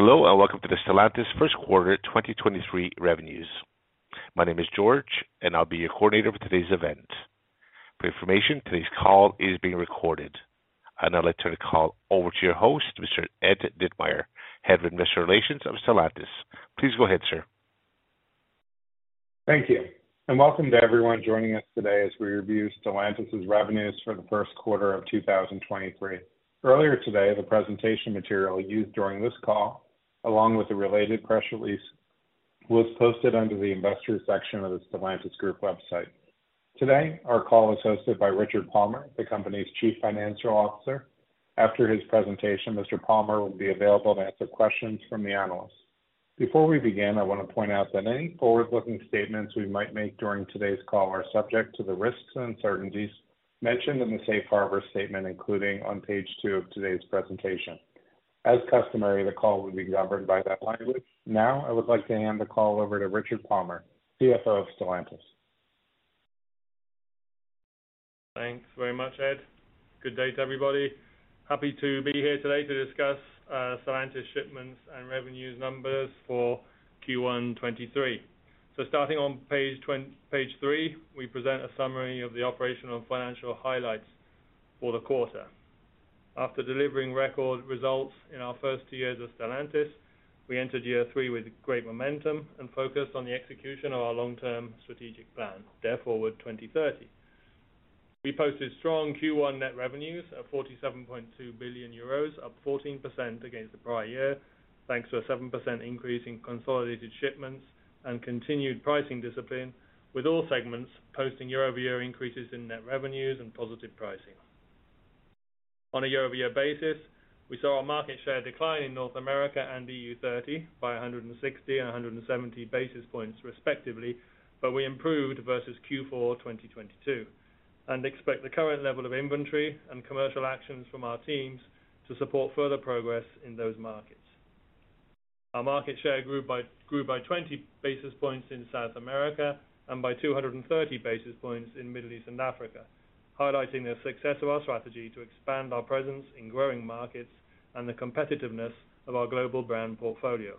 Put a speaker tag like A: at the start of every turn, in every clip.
A: Hello, and welcome to the Stellantis first quarter 2023 revenues. My name is George, and I'll be your coordinator for today's event. For information, today's call is being recorded. I'd now like to turn the call over to your host, Mr. Ed Ditmire, Head of Investor Relations of Stellantis. Please go ahead, sir.
B: Thank you. Welcome to everyone joining us today as we review Stellantis' revenues for the first quarter of 2023. Earlier today, the presentation material used during this call, along with the related press release, was posted under the investor section of the Stellantis group website. Today, our call is hosted by Richard Palmer, the company's Chief Financial Officer. After his presentation, Mr. Palmer will be available to answer questions from the analysts. Before we begin, I want to point out that any forward-looking statements we might make during today's call are subject to the risks and uncertainties mentioned in the safe harbor statement, including on page two of today's presentation. As customary, the call will be governed by that language. I would like to hand the call over to Richard Palmer, CFO of Stellantis.
C: Thanks very much, Ed. Good day to everybody. Happy to be here today to discuss Stellantis shipments and revenues numbers for Q1 2023. Starting on page three, we present a summary of the operational and financial highlights for the quarter. After delivering record results in our first two years of Stellantis, we entered year three with great momentum and focus on the execution of our long-term strategic plan, Dare Forward 2030. We posted strong Q1 net revenues of 47.2 billion euros, up 14% against the prior year, thanks to a 7% increase in consolidated shipments and continued pricing discipline, with all segments posting year-over-year increases in net revenues and positive pricing. On a year-over-year basis, we saw our market share decline in North America and EU30 by 160 and 170 basis points respectively. We improved versus Q4 2022 and expect the current level of inventory and commercial actions from our teams to support further progress in those markets. Our market share grew by 20 basis points in South America and by 230 basis points in Middle East and Africa, highlighting the success of our strategy to expand our presence in growing markets and the competitiveness of our global brand portfolio.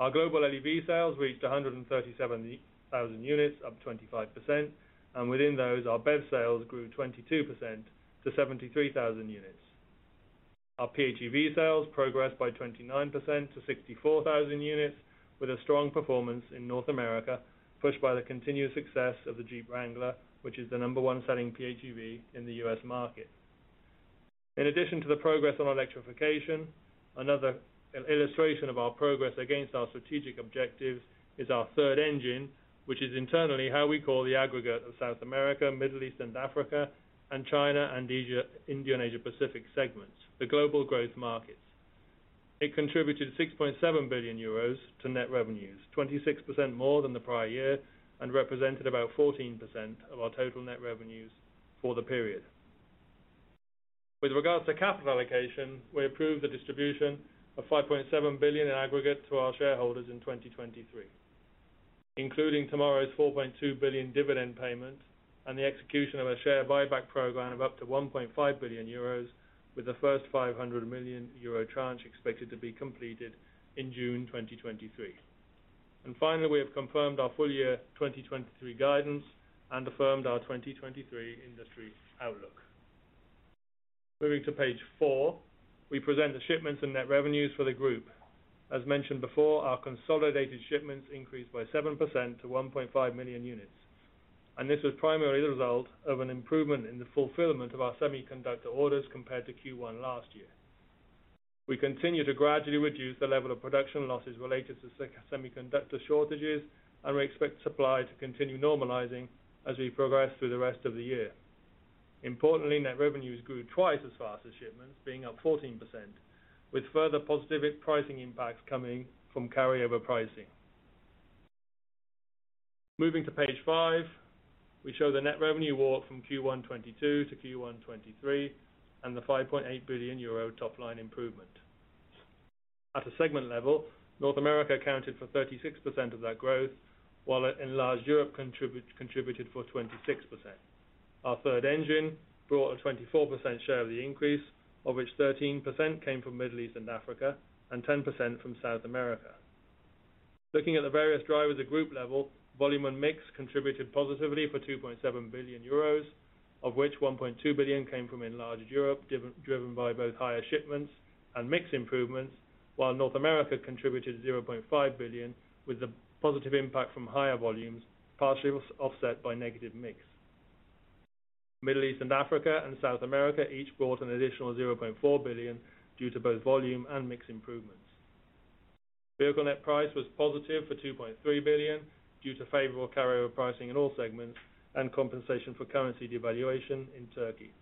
C: Our global LEV sales reached 137,000 units, up 25%, and within those, our BEV sales grew 22% to 73,000 units. Our PHEV sales progressed by 29% to 64,000 units with a strong performance in North America, pushed by the continuous success of the Jeep Wrangler, which is the number one selling PHEV in the U.S. market. In addition to the progress on electrification, another illustration of our progress against our strategic objectives is our Third Engine, which is internally how we call the aggregate of South America, Middle East and Africa, and China and Asia, India and Asia Pacific segments, the global growth markets. It contributed 6.7 billion euros to net revenues, 26% more than the prior year, and represented about 14% of our total net revenues for the period. With regards to capital allocation, we approved the distribution of 5.7 billion in aggregate to our shareholders in 2023, including tomorrow's 4.2 billion dividend payments and the execution of a share buyback program of up to 1.5 billion euros, with the first 500 million euro tranche expected to be completed in June 2023. Finally, we have confirmed our full year 2023 guidance and affirmed our 2023 industry outlook. Moving to page four, we present the shipments and net revenues for the group. As mentioned before, our consolidated shipments increased by 7% to 1.5 million units, and this was primarily the result of an improvement in the fulfillment of our semiconductor orders compared to Q1 last year. We continue to gradually reduce the level of production losses related to semiconductor shortages. We expect supply to continue normalizing as we progress through the rest of the year. Importantly, net revenues grew twice as fast as shipments, being up 14%, with further positive pricing impacts coming from carryover pricing. Moving to page five, we show the net revenue walk from Q1 2022 to Q1 2023 and the 5.8 billion euro top line improvement. At a segment level, North America accounted for 36% of that growth, while Enlarged Europe contributed for 26%. Our Third Engine brought a 24% share of the increase, of which 13% came from Middle East and Africa and 10% from South America. Looking at the various drivers at group level, volume and mix contributed positively for 2.7 billion euros, of which 1.2 billion came from Enlarged Europe, driven by both higher shipments and mix improvements, while North America contributed 0.5 billion, with the positive impact from higher volumes, partially offset by negative mix. Middle East and Africa and South America each brought an additional 0.4 billion due to both volume and mix improvements. Vehicle net price was positive for 2.3 billion due to favorable carrier pricing in all segments and compensation for currency devaluation in Turkey.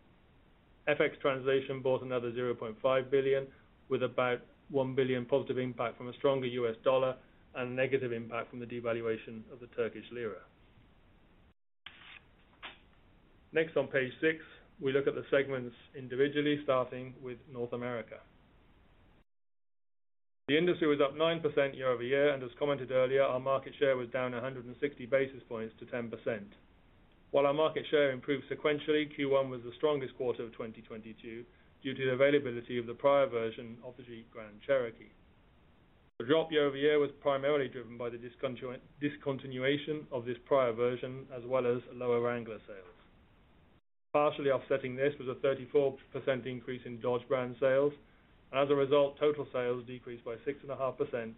C: FX translation brought another 0.5 billion, with about $1 billion positive impact from a stronger US dollar and negative impact from the devaluation of the Turkish lira. Next, on page six, we look at the segments individually, starting with North America. The industry was up 9% year-over-year, and as commented earlier, our market share was down 160 basis points to 10%. While our market share improved sequentially, Q1 was the strongest quarter of 2022 due to the availability of the prior version of the Jeep Grand Cherokee. The drop year-over-year was primarily driven by the discontinuation of this prior version, as well as lower Wrangler sales. Partially offsetting this was a 34% increase in Dodge brand sales. As a result, total sales decreased by 6.5%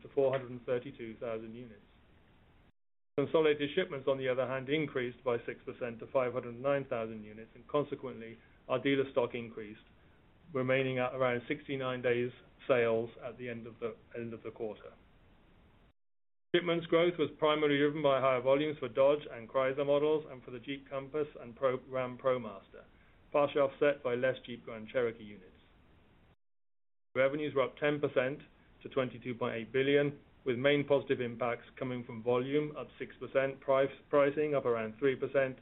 C: to 432,000 units. Consolidated shipments, on the other hand, increased by 6% to 509,000 units. Consequently, our dealer stock increased, remaining at around 69 days sales at the end of the quarter. Shipments growth was primarily driven by higher volumes for Dodge and Chrysler models and for the Jeep Compass and Ram ProMaster, partially offset by less Jeep Grand Cherokee units. Revenues were up 10% to 22.8 billion, with main positive impacts coming from volume up 6%, pricing up around 3%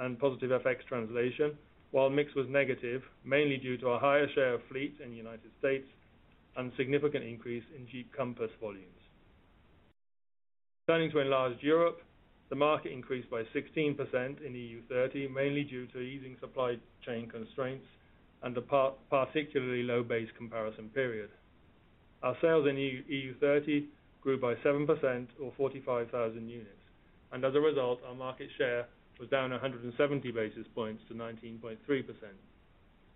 C: and positive FX translation, while mix was negative, mainly due to our higher share of fleet in the U.S. and significant increase in Jeep Compass volumes. Turning to Enlarged Europe, the market increased by 16% in EU30, mainly due to easing supply chain constraints and a particularly low base comparison period. Our sales in EU, EU30 grew by 7% or 45,000 units. As a result, our market share was down 170 basis points to 19.3%.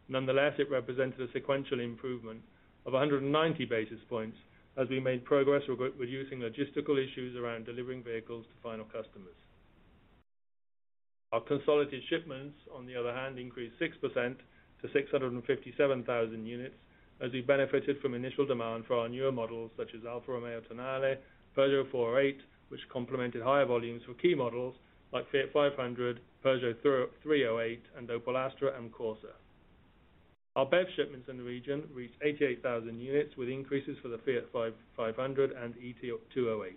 C: Nonetheless, it represented a sequential improvement of 190 basis points as we made progress reducing logistical issues around delivering vehicles to final customers. Our consolidated shipments, on the other hand, increased 6% to 657,000 units as we benefited from initial demand for our newer models such as Alfa Romeo Tonale, Peugeot 408, which complemented higher volumes for key models like Fiat 500, Peugeot 308, and Opel Astra and Corsa. Our BEV shipments in the region reached 88,000 units, with increases for the Fiat 500 and e-208.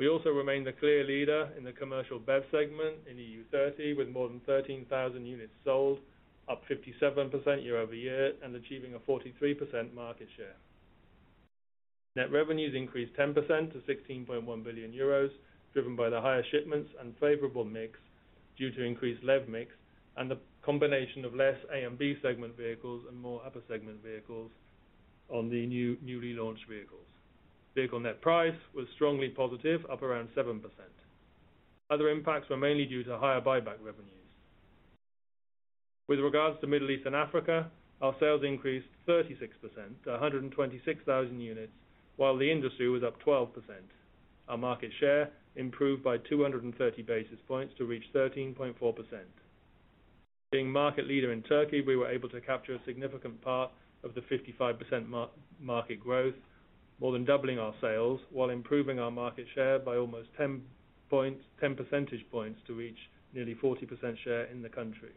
C: We also remained the clear leader in the commercial BEV segment in EU30, with more than 13,000 units sold, up 57% year-over-year and achieving a 43% market share. Net revenues increased 10% to 16.1 billion euros, driven by the higher shipments and favorable mix due to increased LEV mix and the combination of less A and B segment vehicles and more upper segment vehicles on the newly launched vehicles. Vehicle net price was strongly positive, up around 7%. Other impacts were mainly due to higher buyback revenues. Regarding Middle East and Africa, our sales increased 36% to 126,000 units, while the industry was up 12%. Our market share improved by 230 basis points to reach 13.4%. Being market leader in Turkey, we were able to capture a significant part of the 55% market growth, more than doubling our sales while improving our market share by almost 10 percentage points to reach nearly 40% share in the country.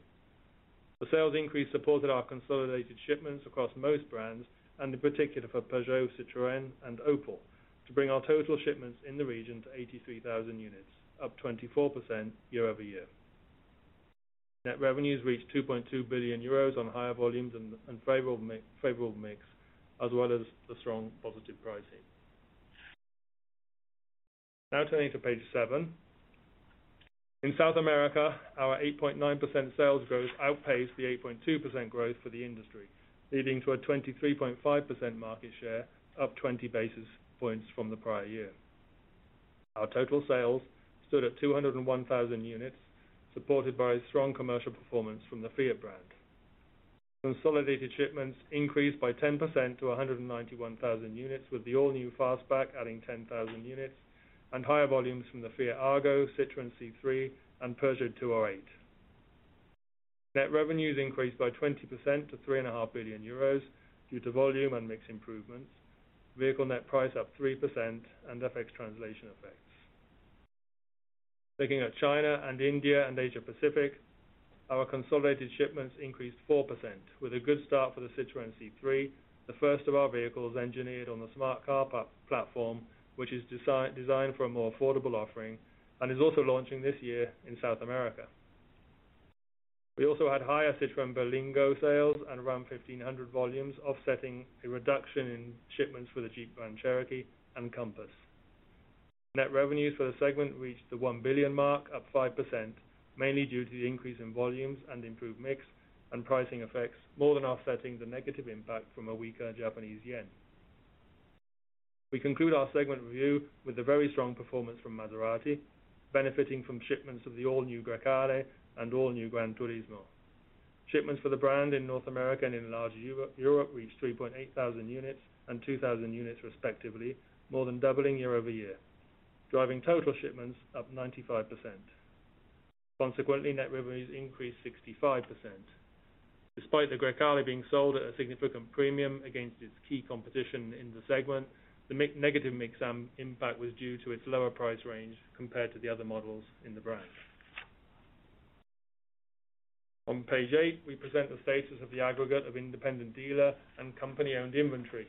C: The sales increase supported our consolidated shipments across most brands, and in particular for Peugeot, Citroën, and Opel, to bring our total shipments in the region to 83,000 units, up 24% year-over-year. Net revenues reached 2.2 billion euros on higher volumes and favorable mix, as well as the strong positive pricing. Turning to page seven. In South America, our 8.9% sales growth outpaced the 8.2% growth for the industry, leading to a 23.5% market share, up 20 basis points from the prior year. Our total sales stood at 201,000 units, supported by strong commercial performance from the Fiat brand. Consolidated shipments increased by 10% to 191,000 units, with the all-new Fastback adding 10,000 units and higher volumes from the Fiat Argo, Citroën C3, and Peugeot 208. Net revenues increased by 20% to 3.5 billion euros due to volume and mix improvements. Vehicle net price up 3% and FX translation effects. Looking at China and India and Asia Pacific, our consolidated shipments increased 4% with a good start for the Citroën C3, the first of our vehicles engineered on the Smart Car platform, which is designed for a more affordable offering and is also launching this year in South America. We also had higher Citroën Berlingo sales at around 1,500 volumes, offsetting a reduction in shipments for the Jeep Grand Cherokee and Compass. Net revenues for the segment reached the 1 billion mark, up 5%, mainly due to the increase in volumes and improved mix and pricing effects, more than offsetting the negative impact from a weaker Japanese yen. We conclude our segment review with a very strong performance from Maserati, benefiting from shipments of the all-new Grecale and all-new GranTurismo. Shipments for the brand in North America and in large Europe reached 3,800 units and 2,000 units respectively, more than doubling year-over-year, driving total shipments up 95%. Consequently, net revenues increased 65%. Despite the Grecale being sold at a significant premium against its key competition in the segment, the negative mix impact was due to its lower price range compared to the other models in the brand. On page eight, we present the status of the aggregate of independent dealer and company-owned inventory,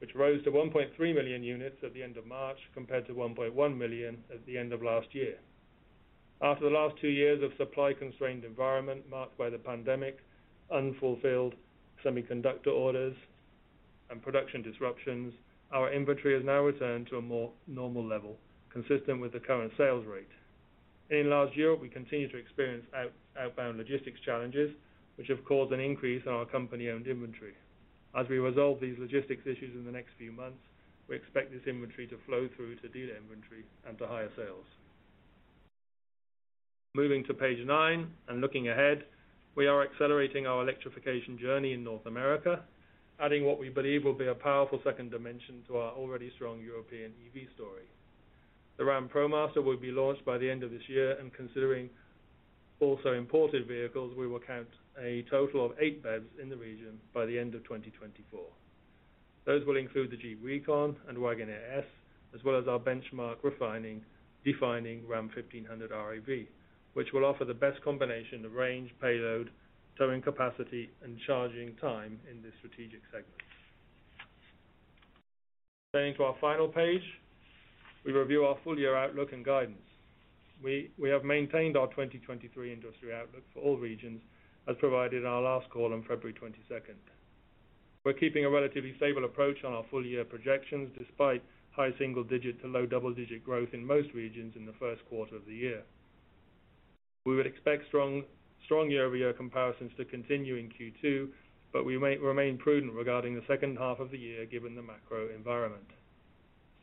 C: which rose to 1.3 million units at the end of March, compared to 1.1 million at the end of last year. After the last two years of supply-constrained environment marked by the pandemic, unfulfilled semiconductor orders, and production disruptions, our inventory has now returned to a more normal level consistent with the current sales rate. In last year, we continued to experience outbound logistics challenges, which have caused an increase in our company-owned inventory. As we resolve these logistics issues in the next few months, we expect this inventory to flow through to dealer inventory and to higher sales. Moving to page nine and looking ahead, we are accelerating our electrification journey in North America, adding what we believe will be a powerful second dimension to our already strong European EV story. The Ram ProMaster will be launched by the end of this year, and considering also imported vehicles, we will count a total of eight BEV's in the region by the end of 2024. Those will include the Jeep Recon and Wagoneer S, as well as our benchmark defining Ram 1500 REV, which will offer the best combination of range, payload, towing capacity, and charging time in this strategic segment. Turning to our final page, we review our full-year outlook and guidance. We have maintained our 2023 industry outlook for all regions, as provided in our last call on 22nd February. We're keeping a relatively stable approach on our full year projections, despite high single-digit to low double-digit growth in most regions in the first quarter of the year. We would expect strong year-over-year comparisons to continue in Q2. We may remain prudent regarding the second half of the year, given the macro environment.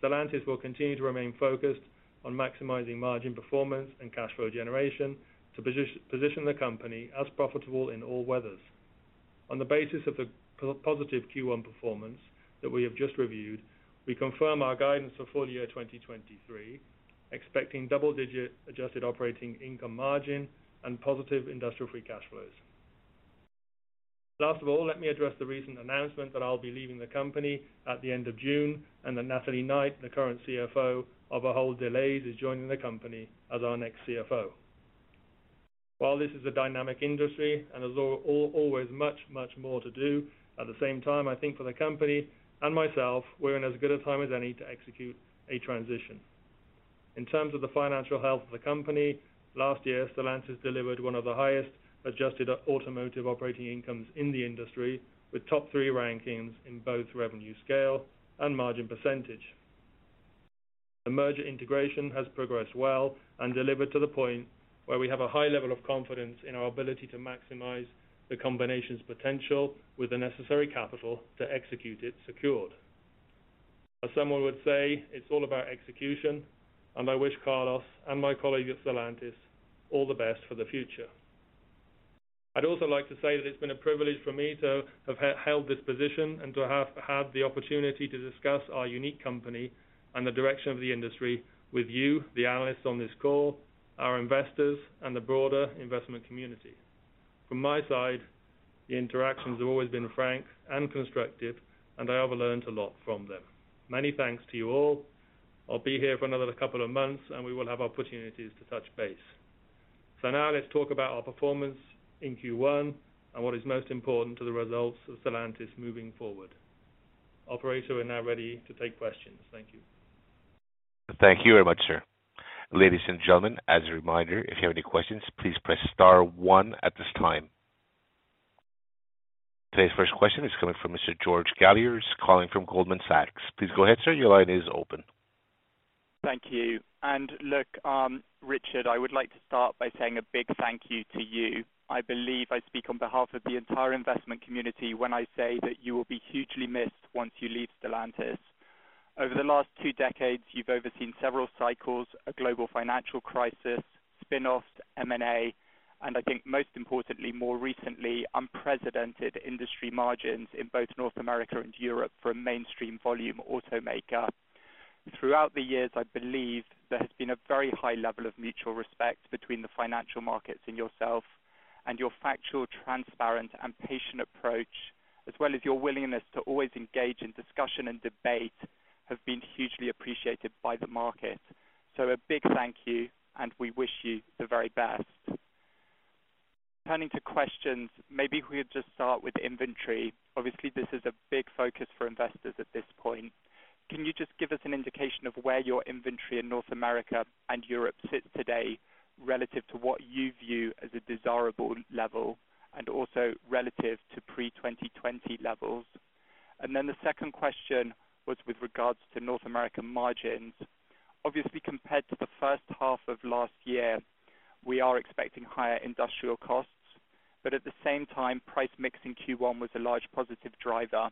C: Stellantis will continue to remain focused on maximizing margin performance and cash flow generation to position the company as profitable in all weathers. On the basis of the positive Q1 performance that we have just reviewed, we confirm our guidance for full year 2023, expecting double-digit Adjusted Operating Income margin and positive Industrial free cash flows. Last of all, let me address the recent announcement that I'll be leaving the company at the end of June. Natalie Knight, the current CFO of Ahold Delhaize, is joining the company as our next CFO. While this is a dynamic industry and there's always much more to do, at the same time, I think for the company and myself, we're in as good a time as any to execute a transition. In terms of the financial health of the company, last year, Stellantis delivered one of the highest Adjusted Operating Incomes in the industry, with top three rankings in both revenue scale and margin percentage. The merger integration has progressed well and delivered to the point where we have a high level of confidence in our ability to maximize the combination's potential with the necessary capital to execute it secured. As someone would say, it's all about execution, and I wish Carlos and my colleagues at Stellantis all the best for the future. I'd also like to say that it's been a privilege for me to have held this position and to have had the opportunity to discuss our unique company and the direction of the industry with you, the analysts on this call, our investors, and the broader investment community. From my side, the interactions have always been frank and constructive, and I have learned a lot from them. Many thanks to you all. I'll be here for another couple of months, and we will have opportunities to touch base. Now let's talk about our performance in Q1 and what is most important to the results of Stellantis moving forward. Operator, we're now ready to take questions. Thank you.
A: Thank you very much, sir. Ladies and gentlemen, as a reminder, if you have any questions, please press star one at this time. Today's first question is coming from Mr. George Galliers, calling from Goldman Sachs. Please go ahead, sir. Your line is open.
D: Thank you. Richard, I would like to start by saying a big thank you to you. I believe I speak on behalf of the entire investment community when I say that you will be hugely missed once you leave Stellantis. Over the last two decades, you've overseen several cycles, a global financial crisis, spin-offs, M&A, and I think most importantly, more recently, unprecedented industry margins in both North America and Europe for a mainstream volume automaker. Throughout the years, I believe there has been a very high level of mutual respect between the financial markets and yourself, and your factual, transparent and patient approach, as well as your willingness to always engage in discussion and debate, have been hugely appreciated by the market. A big thank you, and we wish you the very best. Turning to questions, maybe if we could just start with inventory. Obviously, this is a big focus for investors at this point. Can you just give us an indication of where your inventory in North America and Europe sits today relative to what you view as a desirable level and also relative to pre-2020 levels? The second question was with regards to North American margins. Obviously, compared to the first half of last year, we are expecting higher industrial costs, but at the same time, price mix in Q1 was a large positive driver.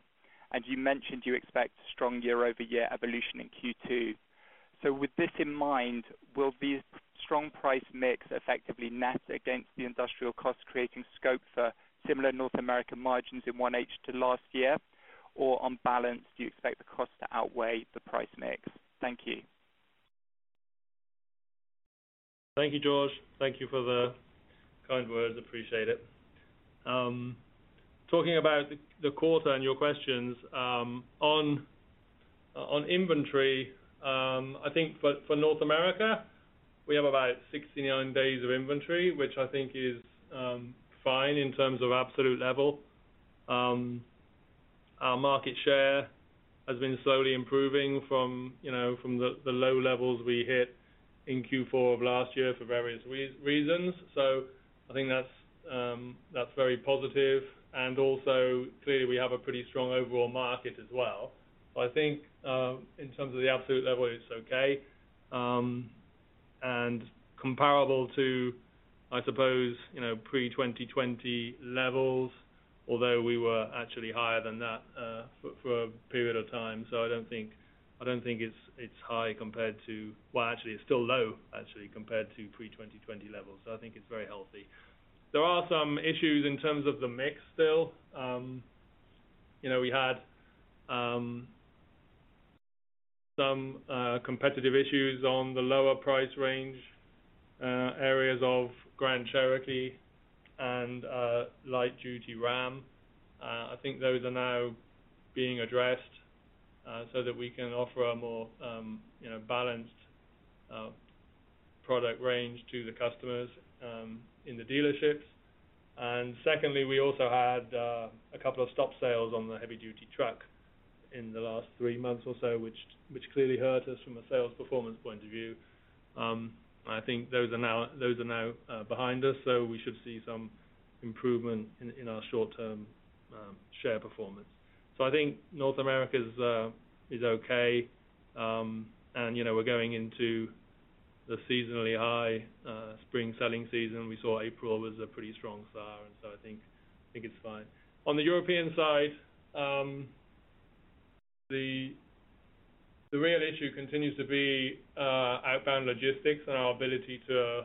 D: As you mentioned, you expect strong year-over-year evolution in Q2. With this in mind, will the strong price mix effectively net against the industrial cost, creating scope for similar North American margins in 1H to last year? On balance, do you expect the cost to outweigh the price mix? Thank you.
C: Thank you, George. Thank you for the kind words. Appreciate it. Talking about the quarter and your questions on inventory, I think for North America, we have about 69 days of inventory, which I think is fine in terms of absolute level. Our market share has been slowly improving from, you know, from the low levels we hit in Q4 of last year for various reasons. I think that's very positive. Clearly we have a pretty strong overall market as well. I think in terms of the absolute level, it's okay. Comparable to, I suppose, you know, pre 2020 levels, although we were actually higher than that for a period of time. I don't think it's high compared to... Well, actually it's still low actually compared to pre-2020 levels. I think it's very healthy. There are some issues in terms of the mix still. you know, we had some competitive issues on the lower price range areas of Grand Cherokee and light duty Ram. I think those are now being addressed so that we can offer a more, you know, balanced product range to the customers in the dealerships. Secondly, we also had a couple of stop sales on the heavy duty truck in the last three months or so, which clearly hurt us from a sales performance point of view. I think those are now behind us, so we should see some improvement in our short-term share performance. I think North America's is okay. you know, we're going into the seasonally high spring selling season. We saw April was a pretty strong start, I think it's fine. On the European side, the real issue continues to be outbound logistics and our ability to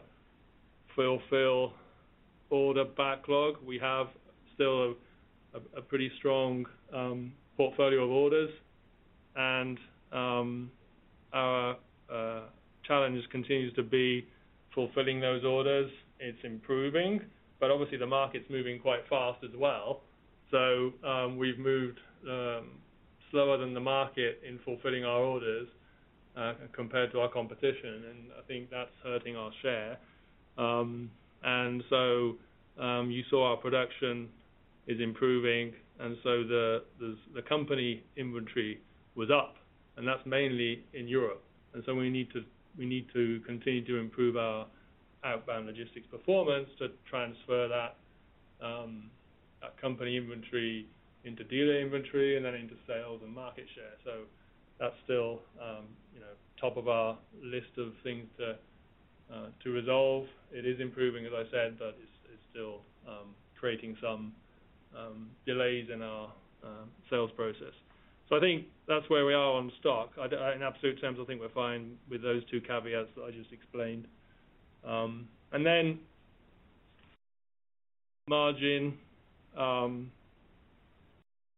C: fulfill order backlog. We have still a pretty strong portfolio of orders, our challenge continues to be fulfilling those orders. It's improving, but obviously the market's moving quite fast as well. we've moved slower than the market in fulfilling our orders compared to our competition, and I think that's hurting our share. you saw our production is improving, and so the company inventory was up, and that's mainly in Europe. We need to continue to improve our outbound logistics performance to transfer that company inventory into dealer inventory and then into sales and market share. That's still, you know, top of our list of things to resolve. It is improving, as I said, but it's still creating some delays in our sales process. I think that's where we are on stock. In absolute terms, I think we're fine with those two caveats that I just explained. Margin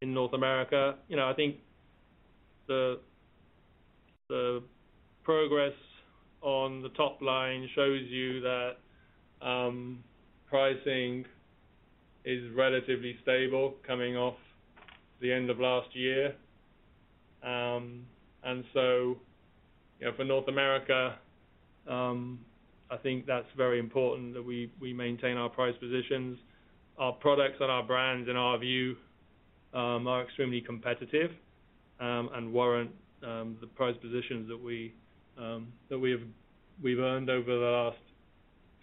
C: in North America. You know, I think the progress on the top line shows you that pricing is relatively stable coming off the end of last year. You know, for North America, I think that's very important that we maintain our price positions. Our products and our brands, in our view, are extremely competitive, and warrant the price positions that we have, we've earned over the last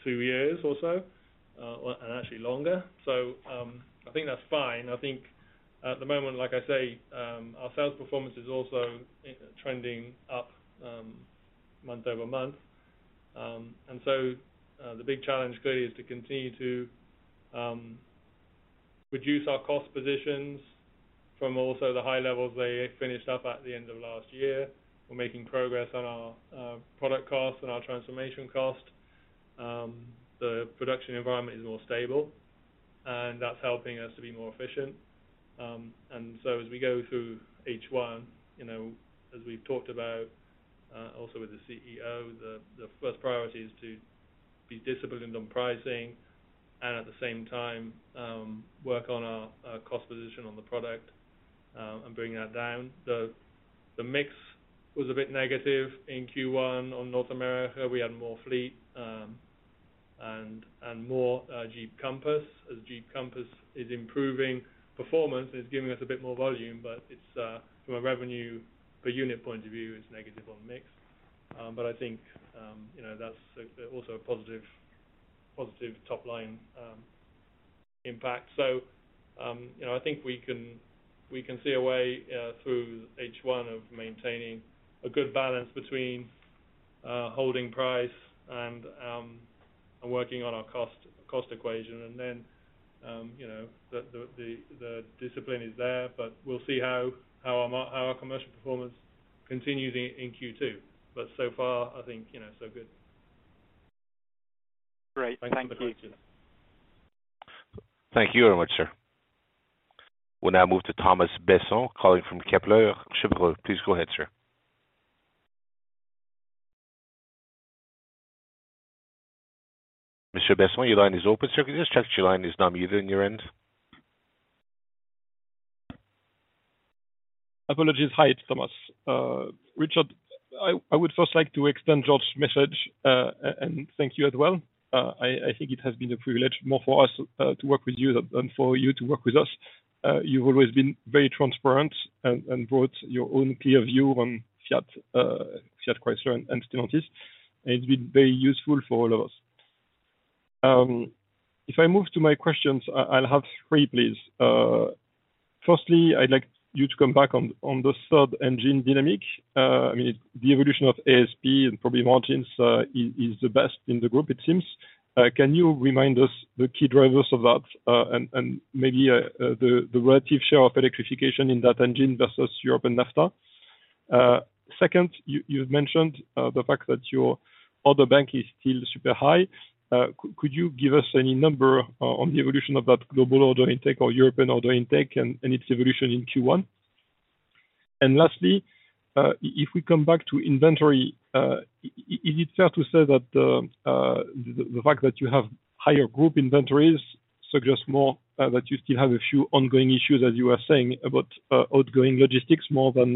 C: two years or so, and actually longer. I think that's fine. I think at the moment, like I say, our sales performance is also trending up month-over-month. The big challenge clearly is to continue to reduce our cost positions from also the high levels they finished up at the end of last year. We're making progress on our product cost and our transformation cost. The production environment is more stable, and that's helping us to be more efficient. As we go through H1, you know, as we've talked about, also with the CEO, the first priority is to be disciplined on pricing and at the same time, work on our cost position on the product and bring that down. The mix was a bit negative in Q1 on North America. We had more fleet and more Jeep Compass. As Jeep Compass is improving performance, it's giving us a bit more volume, but it's from a revenue per unit point of view, it's negative on mix. I think, you know, that's also a positive top line impact. You know, I think we can, we can see a way through H1 of maintaining a good balance between holding price and working on our cost equation. you know, the discipline is there, we'll see how our commercial performance continues in Q2. so far, I think, you know, so good.
D: Great. Thank you.
C: Thanks so much for that.
A: Thank you very much, sir. We'll now move to Thomas Besson calling from Kepler Cheuvreux. Please go ahead, sir. Mr Besson, your line is open, sir. Could you just check that your line is not muted on your end?
E: Apologies. Hi, it's Thomas. Richard, I would first like to extend George's message and thank you as well. I think it has been a privilege more for us to work with you than for you to work with us. You've always been very transparent and brought your own clear view on Fiat Chrysler and Stellantis, and it's been very useful for all of us. If I move to my questions, I'll have three, please. Firstly, I'd like you to come back on the Third Engine dynamic. I mean, the evolution of ASP and probably margins is the best in the group it seems. Can you remind us the key drivers of that and maybe the relative share of electrification in that engine versus European NAFTA? Second, you've mentioned the fact that your order bank is still super high. Could you give us any number on the evolution of that global order intake or European order intake and its evolution in Q1? Lastly, if we come back to inventory, is it fair to say that the fact that you have higher group inventories suggests more that you still have a few ongoing issues, as you were saying about outgoing logistics more than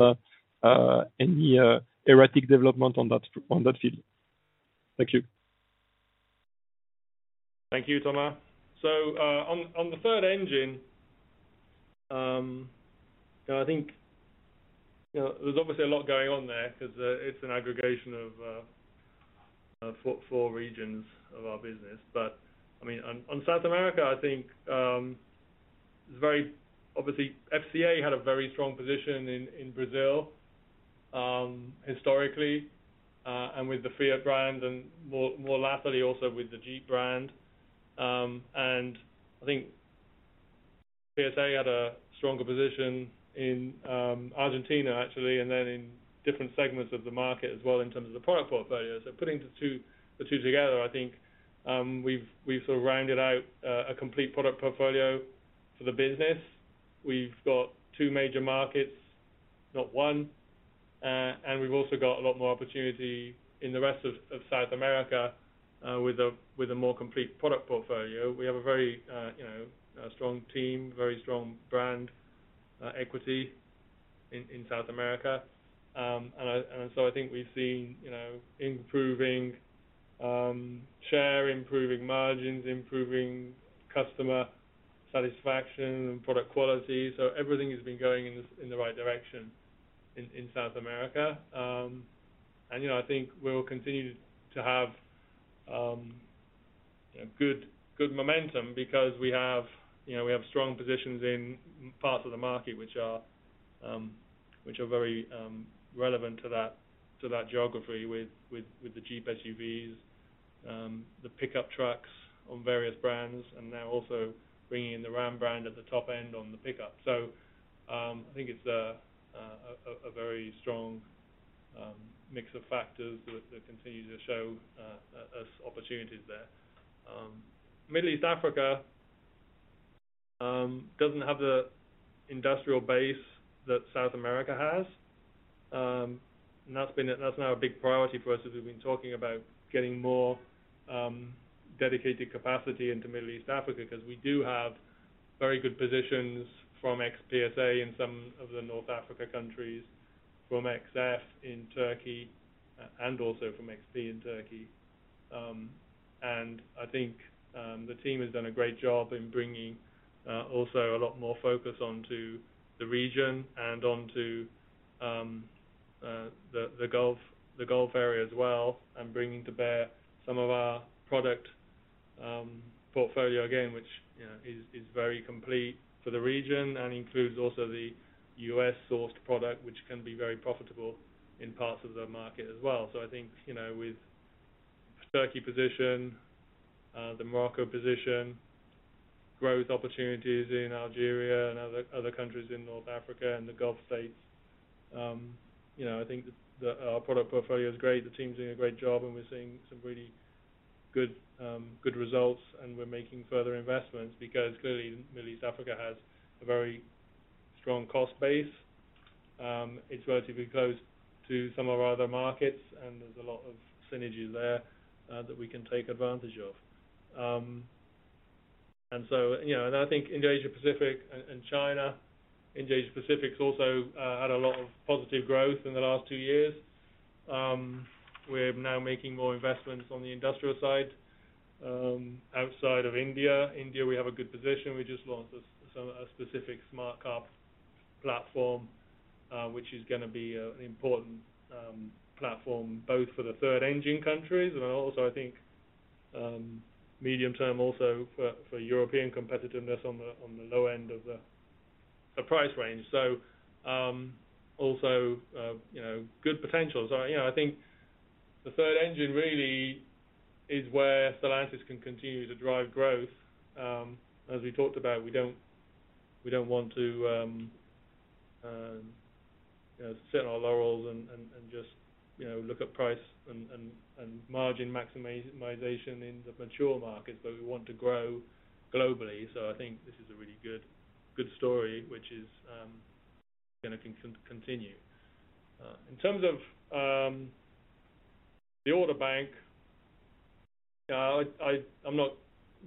E: any erratic development on that field? Thank you.
C: Thank you, Thomas. On the Third Engine, I think, you know, there's obviously a lot going on there 'cause it's an aggregation of 4 regions of our business. I mean, on South America, I think, obviously, FCA had a very strong position in Brazil historically, and with the Fiat brand and more latterly also with the Jeep brand. I think PSA had a stronger position in Argentina, actually, and then in different segments of the market as well in terms of the product portfolio. Putting the two together, I think, we've sort of rounded out a complete product portfolio for the business. We've got two major markets, not one. We've also got a lot more opportunity in the rest of South America with a more complete product portfolio. We have a very, you know, a strong team, very strong brand equity in South America. I think we've seen, you know, improving share, improving margins, improving customer satisfaction and product quality. Everything has been going in the right direction in South America. You know, I think we will continue to have good momentum because we have, you know, we have strong positions in parts of the market which are very relevant to that geography with the Jeep SUVs, the pickup trucks on various brands, and now also bringing in the Ram brand at the top end on the pickup. I think it's a very strong mix of factors that continue to show us opportunities there. Middle East Africa doesn't have the industrial base that South America has. That's been a, that's now a big priority for us, as we've been talking about getting more dedicated capacity into Middle East Africa because we do have very good positions from ex-PSA in some of the North Africa countries, from ex-FCA in Turkey, and also from ex-PSA in Turkey. I think the team has done a great job in bringing also a lot more focus onto the region and onto the Gulf area as well and bringing to bear some of our product portfolio again, which, you know, is very complete for the region and includes also the U.S.-sourced product, which can be very profitable in parts of the market as well. I think, you know, with Turkey position, the Morocco position, growth opportunities in Algeria and other countries in North Africa and the Gulf states, you know, I think the product portfolio is great. The team's doing a great job, and we're seeing some really good results, and we're making further investments because clearly Middle East Africa has a very strong cost base. It's relatively close to some of our other markets, and there's a lot of synergies there that we can take advantage of. You know. I think in the Asia-Pacific and China, in the Asia-Pacific's also had a lot of positive growth in the last two years. We're now making more investments on the industrial side outside of India. India, we have a good position. We just launched a, some, a specific Smart Car platform, which is gonna be an important platform, both for the Third Engine countries and also I think, medium term also for European competitiveness on the low end of the price range. Also, you know, good potential. You know, I think the Third Engine really is where Stellantis can continue to drive growth. As we talked about, we don't, we don't want to, you know, sit on our laurels and, and just, you know, look at price and, and margin maximization in the mature markets, but we want to grow globally. I think this is a really good story, which is gonna continue. In terms of the order bank. Yeah, I'm not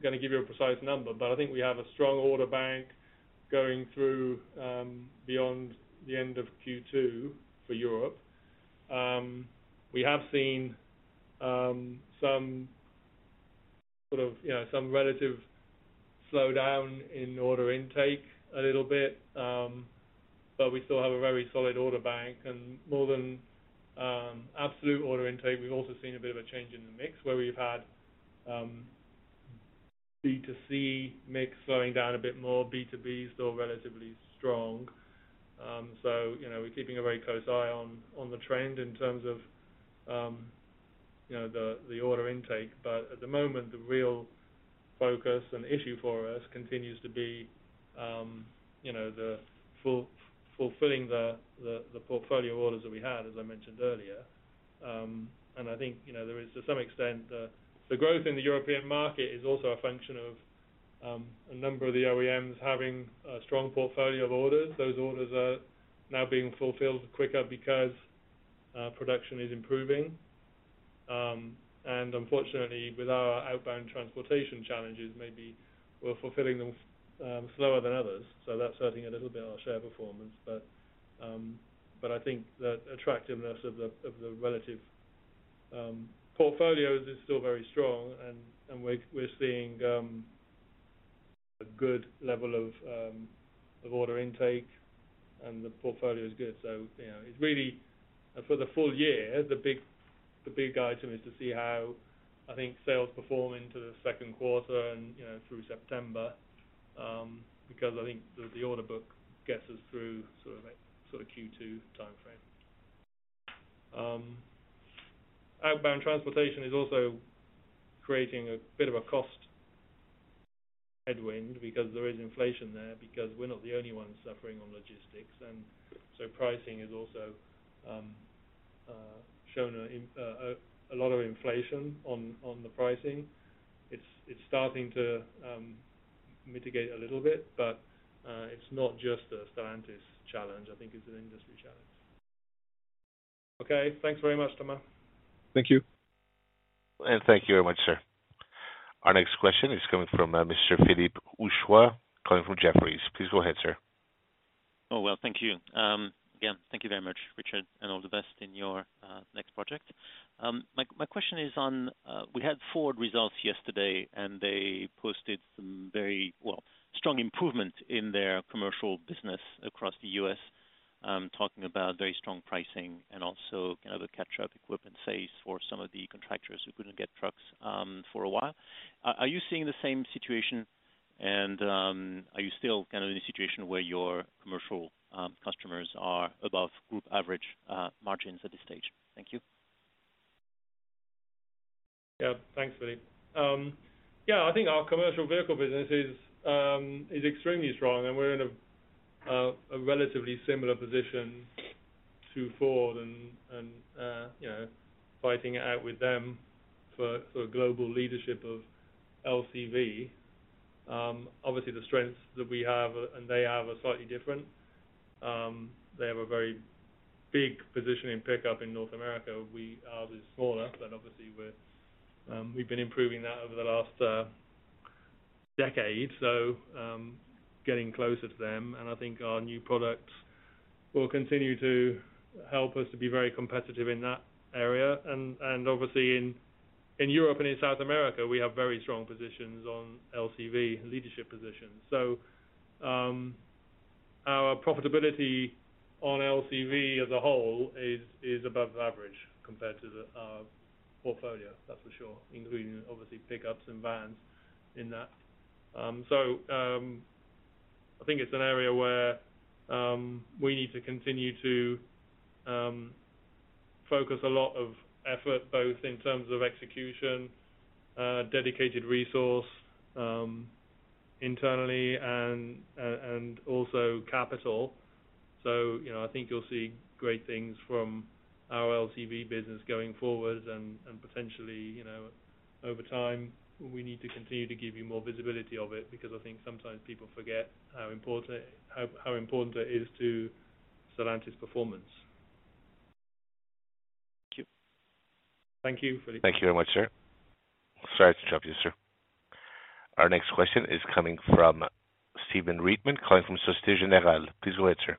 C: gonna give you a precise number, but I think we have a strong order bank going through beyond the end of Q2 for Europe. We have seen some sort of, you know, some relative slowdown in order intake a little bit. We still have a very solid order bank, and more than absolute order intake, we've also seen a bit of a change in the mix where we've had B2C mix slowing down a bit more. B2B is still relatively strong. You know, we're keeping a very close eye on the trend in terms of, you know, the order intake. At the moment, the real focus and issue for us continues to be, you know, fulfilling the portfolio orders that we had, as I mentioned earlier. I think, you know, there is to some extent, the growth in the European market is also a function of a number of the OEMs having a strong portfolio of orders. Those orders are now being fulfilled quicker because production is improving. Unfortunately, with our outbound transportation challenges, maybe we're fulfilling them slower than others. That's hurting a little bit our share performance. I think the attractiveness of the relative portfolios is still very strong and we're seeing a good level of order intake, and the portfolio is good. You know, it's really. For the full year, the big item is to see how I think sales perform into the second quarter and, you know, through September, because I think the order book gets us through sort of Q2 timeframe. Outbound transportation is also creating a bit of a cost headwind because there is inflation there, because we're not the only ones suffering on logistics. Pricing has also shown a lot of inflation on the pricing. It's starting to mitigate a little bit, but it's not just a Stellantis challenge. I think it's an industry challenge. Okay. Thanks very much, Thomas.
E: Thank you.
A: Thank you very much, sir. Our next question is coming from Mr. Philippe Houchois, calling from Jefferies. Please go ahead, sir.
F: Oh, well, thank you. Again, thank you very much, Richard, and all the best in your next project. My question is on, we had Ford results yesterday. They posted some very, well, strong improvement in their commercial business across the U.S., talking about very strong pricing and also kind of a catch-up equipment space for some of the contractors who couldn't get trucks for a while. Are you seeing the same situation? Are you still kind of in a situation where your commercial customers are above group average margins at this stage? Thank you.
C: Thanks, Philippe. I think our commercial vehicle business is extremely strong, and we're in a relatively similar position to Ford and, you know, fighting it out with them for global leadership of LCV. Obviously the strengths that we have and they have are slightly different. They have a very big position in pickup in North America. Ours is smaller, and obviously we've been improving that over the last decade, so, getting closer to them, and I think our new products will continue to help us to be very competitive in that area. Obviously in Europe and in South America, we have very strong positions on LCV leadership positions. Our profitability on LCV as a whole is above average compared to our portfolio, that's for sure, including obviously pickups and vans in that. I think it's an area where we need to continue to focus a lot of effort, both in terms of execution, dedicated resource, internally and also capital. You know, I think you'll see great things from our LCV business going forward and potentially, you know, over time, we need to continue to give you more visibility of it because I think sometimes people forget how important it is to Stellantis performance.
F: Thank you.
C: Thank you, Philippe.
A: Thank you very much, sir. Sorry to interrupt you, sir. Our next question is coming from Stephen Reitman, calling from Société Générale. Please go ahead, sir.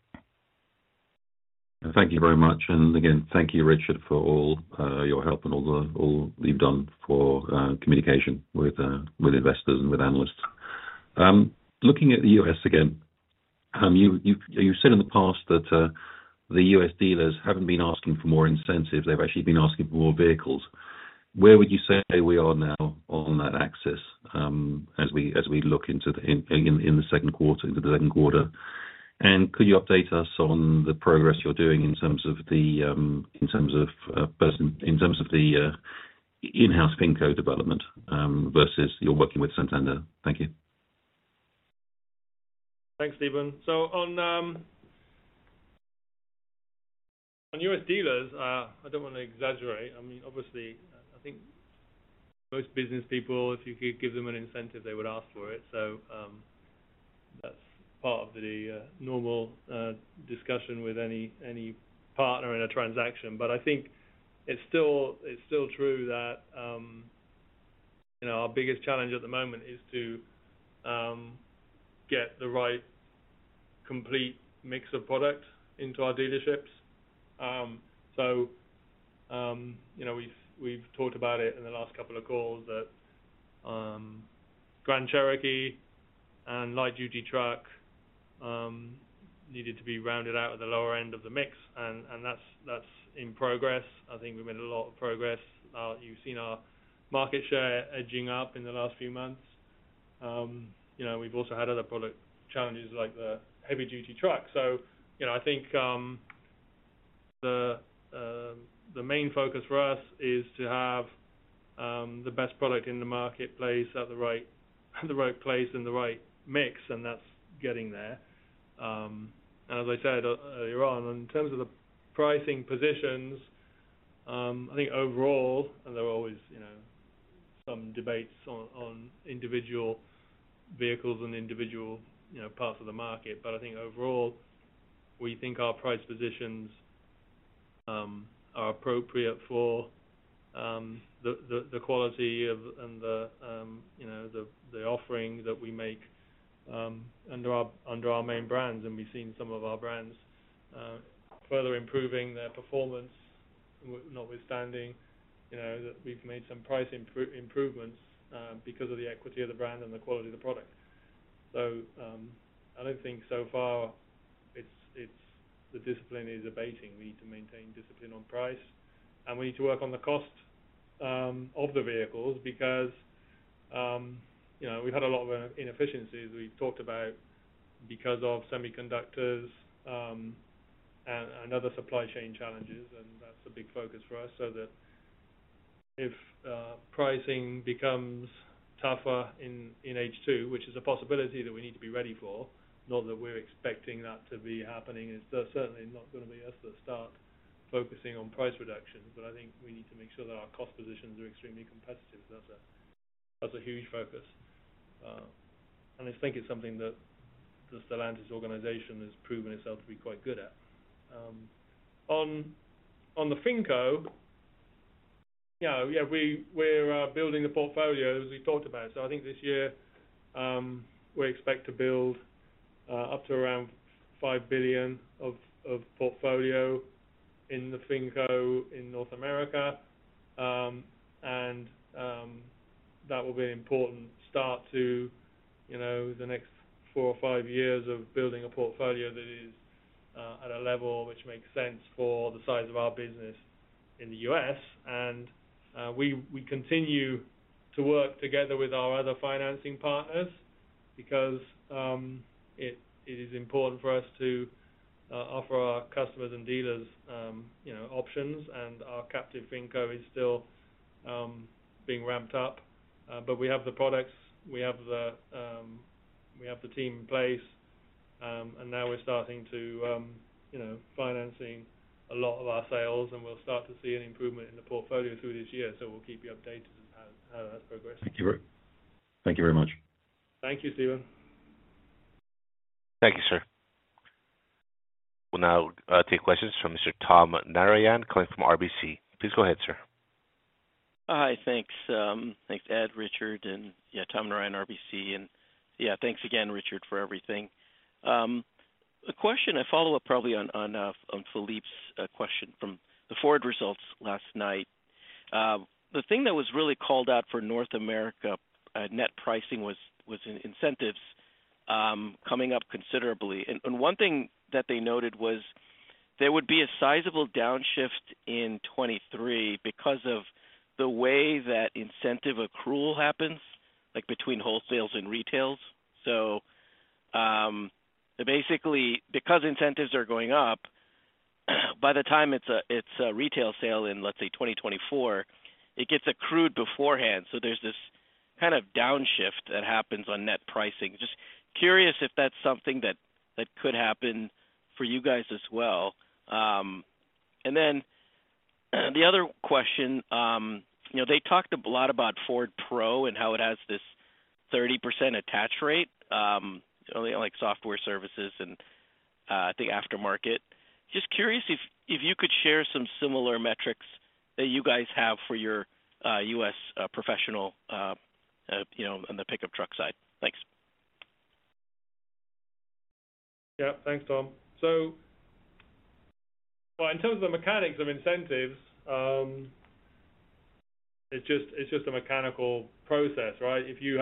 G: Thank you very much. Again, thank you, Richard, for all your help and all you've done for communication with investors and with analysts. Looking at the U.S. again, you said in the past that the U.S. dealers haven't been asking for more incentives. They've actually been asking for more vehicles. Where would you say we are now on that axis as we look into the second quarter? Could you update us on the progress you're doing in terms of the in-house Finco development versus you're working with Santander? Thank you.
C: Thanks, Stephen. On U.S. dealers, I don't wanna exaggerate. I mean, obviously, I think most business people, if you give them an incentive, they would ask for it. That's part of the normal discussion with any partner in a transaction. I think it's still true that, you know, our biggest challenge at the moment is to get the right complete mix of product into our dealerships. You know, we've talked about it in the last couple of calls that Grand Cherokee and light duty truck needed to be rounded out at the lower end of the mix, and that's in progress. I think we've made a lot of progress. You've seen our market share edging up in the last few months. You know, we've also had other product challenges like the heavy duty truck. You know, I think the main focus for us is to have the best product in the marketplace at the right, at the right place and the right mix, and that's getting there. As I said earlier on, in terms of the pricing positions, I think overall, and there are always, you know, some debates on individual vehicles and individual, you know, parts of the market. I think overall, we think our price positions are appropriate for the quality of and the, you know, the offering that we make under our main brands. We've seen some of our brands further improving their performance, notwithstanding, you know, that we've made some price improvements because of the equity of the brand and the quality of the product. I don't think so far it's the discipline is abating. We need to maintain discipline on price, and we need to work on the cost of the vehicles because, you know, we had a lot of inefficiencies we talked about because of semiconductors and other supply chain challenges, and that's a big focus for us. That if pricing becomes tougher in H2, which is a possibility that we need to be ready for, not that we're expecting that to be happening, it's certainly not going to be us that start focusing on price reductions. I think we need to make sure that our cost positions are extremely competitive. That's a huge focus. I think it's something that the Stellantis organization has proven itself to be quite good at. On the Finco, you know, we're building the portfolio as we talked about. I think this year, we expect to build up to around $5 billion of portfolio in the Finco in North America. That will be an important start to, you know, the next four or five years of building a portfolio that is at a level which makes sense for the size of our business in the U.S. We continue to work together with our other financing partners because it is important for us to offer our customers and dealers, you know, options. Our captive Finco is still being ramped up. But we have the products, we have the team in place, and now we're starting to, you know, financing a lot of our sales, and we'll start to see an improvement in the portfolio through this year. We'll keep you updated on how that's progressing.
G: Thank you very much.
C: Thank you, Stephen.
A: Thank you, sir. We'll now take questions from Mr. Tom Narayan calling from RBC. Please go ahead, sir.
H: Hi. Thanks, thanks, Ed, Richard, Tom Narayan, RBC. Thanks again, Richard, for everything. A question I follow up probably on Philippe's question from the Ford results last night. The thing that was really called out for North America, net pricing was in incentives, coming up considerably. One thing that they noted was there would be a sizable downshift in 23 because of the way that incentive accrual happens, like between wholesales and retails. Basically, because incentives are going up, by the time it's a retail sale in, let's say, 2024, it gets accrued beforehand. There's this kind of downshift that happens on net pricing. Just curious if that's something that could happen for you guys as well. Then the other question, you know, they talked a lot about Ford Pro and how it has this 30% attach rate, like software services and, I think aftermarket. Just curious if you could share some similar metrics that you guys have for your U.S. professional, you know, on the pickup truck side. Thanks.
C: Yeah. Thanks, Tom. Well, in terms of the mechanics of incentives, it's just a mechanical process, right? If you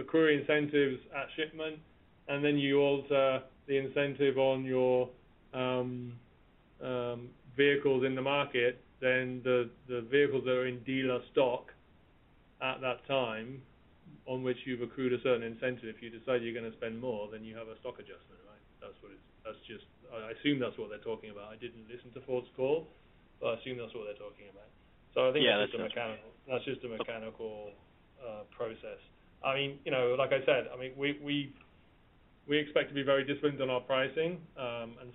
C: accrue incentives at shipment and then you alter the incentive on your vehicles in the market, then the vehicles that are in dealer stock at that time on which you've accrued a certain incentive, if you decide you're going to spend more, then you have a stock adjustment, right? That's just I assume that's what they're talking about. I didn't listen to Ford's call, but I assume that's what they're talking about. I think.
H: Yeah, that's what I'm saying.
C: That's just a mechanical process. I mean, you know, like I said, I mean, We expect to be very disciplined on our pricing.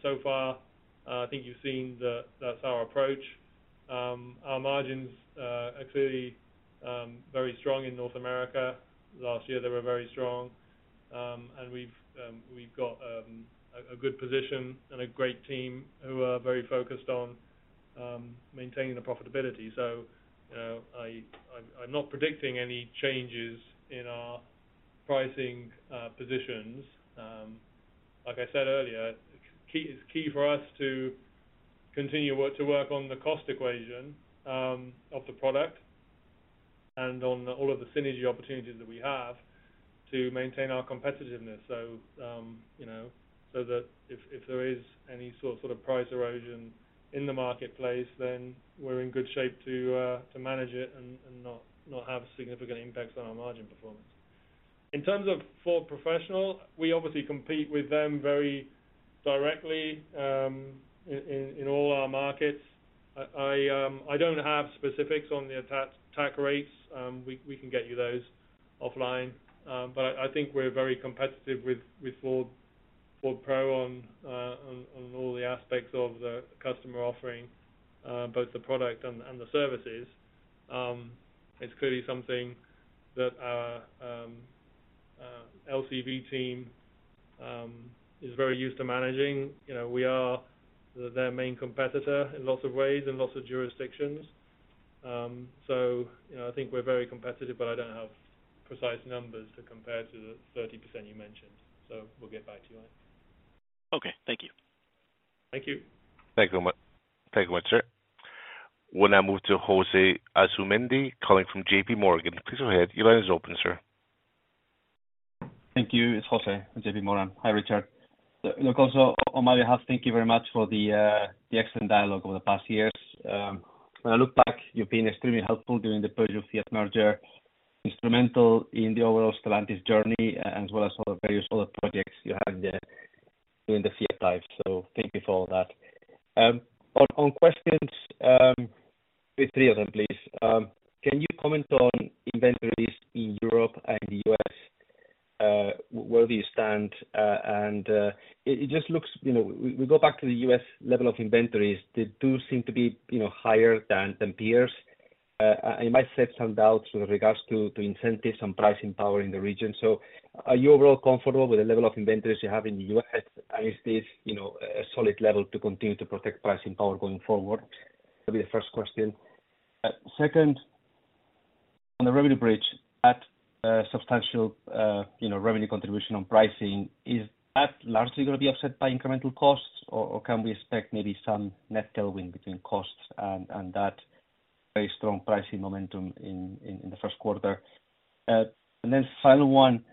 C: So far, I think you've seen that that's our approach. Our margins are clearly very strong in North America. Last year, they were very strong. We've got a good position and a great team who are very focused on maintaining the profitability. You know, I'm not predicting any changes in our pricing positions. Like I said earlier, it's key for us to continue to work on the cost equation of the product and on all of the synergy opportunities that we have to maintain our competitiveness. You know, so that if there is any sort of price erosion in the marketplace, then we're in good shape to manage it and not have significant impacts on our margin performance. In terms of Ford Pro, we obviously compete with them very directly in all our markets. I don't have specifics on the attach rates. We can get you those offline. But I think we're very competitive with Ford Pro on all the aspects of the customer offering, both the product and the services. It's clearly something that our LCV team is very used to managing. You know, we are their main competitor in lots of ways, in lots of jurisdictions. You know, I think we're very competitive, but I don't have precise numbers to compare to the 30% you mentioned, so we'll get back to you on it.
H: Okay, thank you.
C: Thank you. Thank you very much. Thank you very much, sir. We'll now move to José Asumendi calling from JPMorgan. Please go ahead. Your line is open, sir.
I: Thank you. It's José at JPMorgan. Hi, Richard. Look, also on my behalf, thank you very much for the excellent dialogue over the past years. When I look back, you've been extremely helpful during the Peugeot Fiat merger, instrumental in the overall Stellantis journey, as well as all the various other projects you have there during the Fiat times. Thank you for all that. On questions, three of them, please. Can you comment on inventories in Europe and the U.S., where do you stand? You know, we go back to the U.S. level of inventories. They do seem to be, you know, higher than peers. It might set some doubts with regards to incentives and pricing power in the region. Are you overall comfortable with the level of inventories you have in the U.S.? Is this, you know, a solid level to continue to protect pricing power going forward? That'd be the first question. Second, on the revenue bridge at substantial, you know, revenue contribution on pricing, is that largely gonna be offset by incremental costs or can we expect maybe some net tailwind between costs and that very strong pricing momentum in the first quarter? Final one,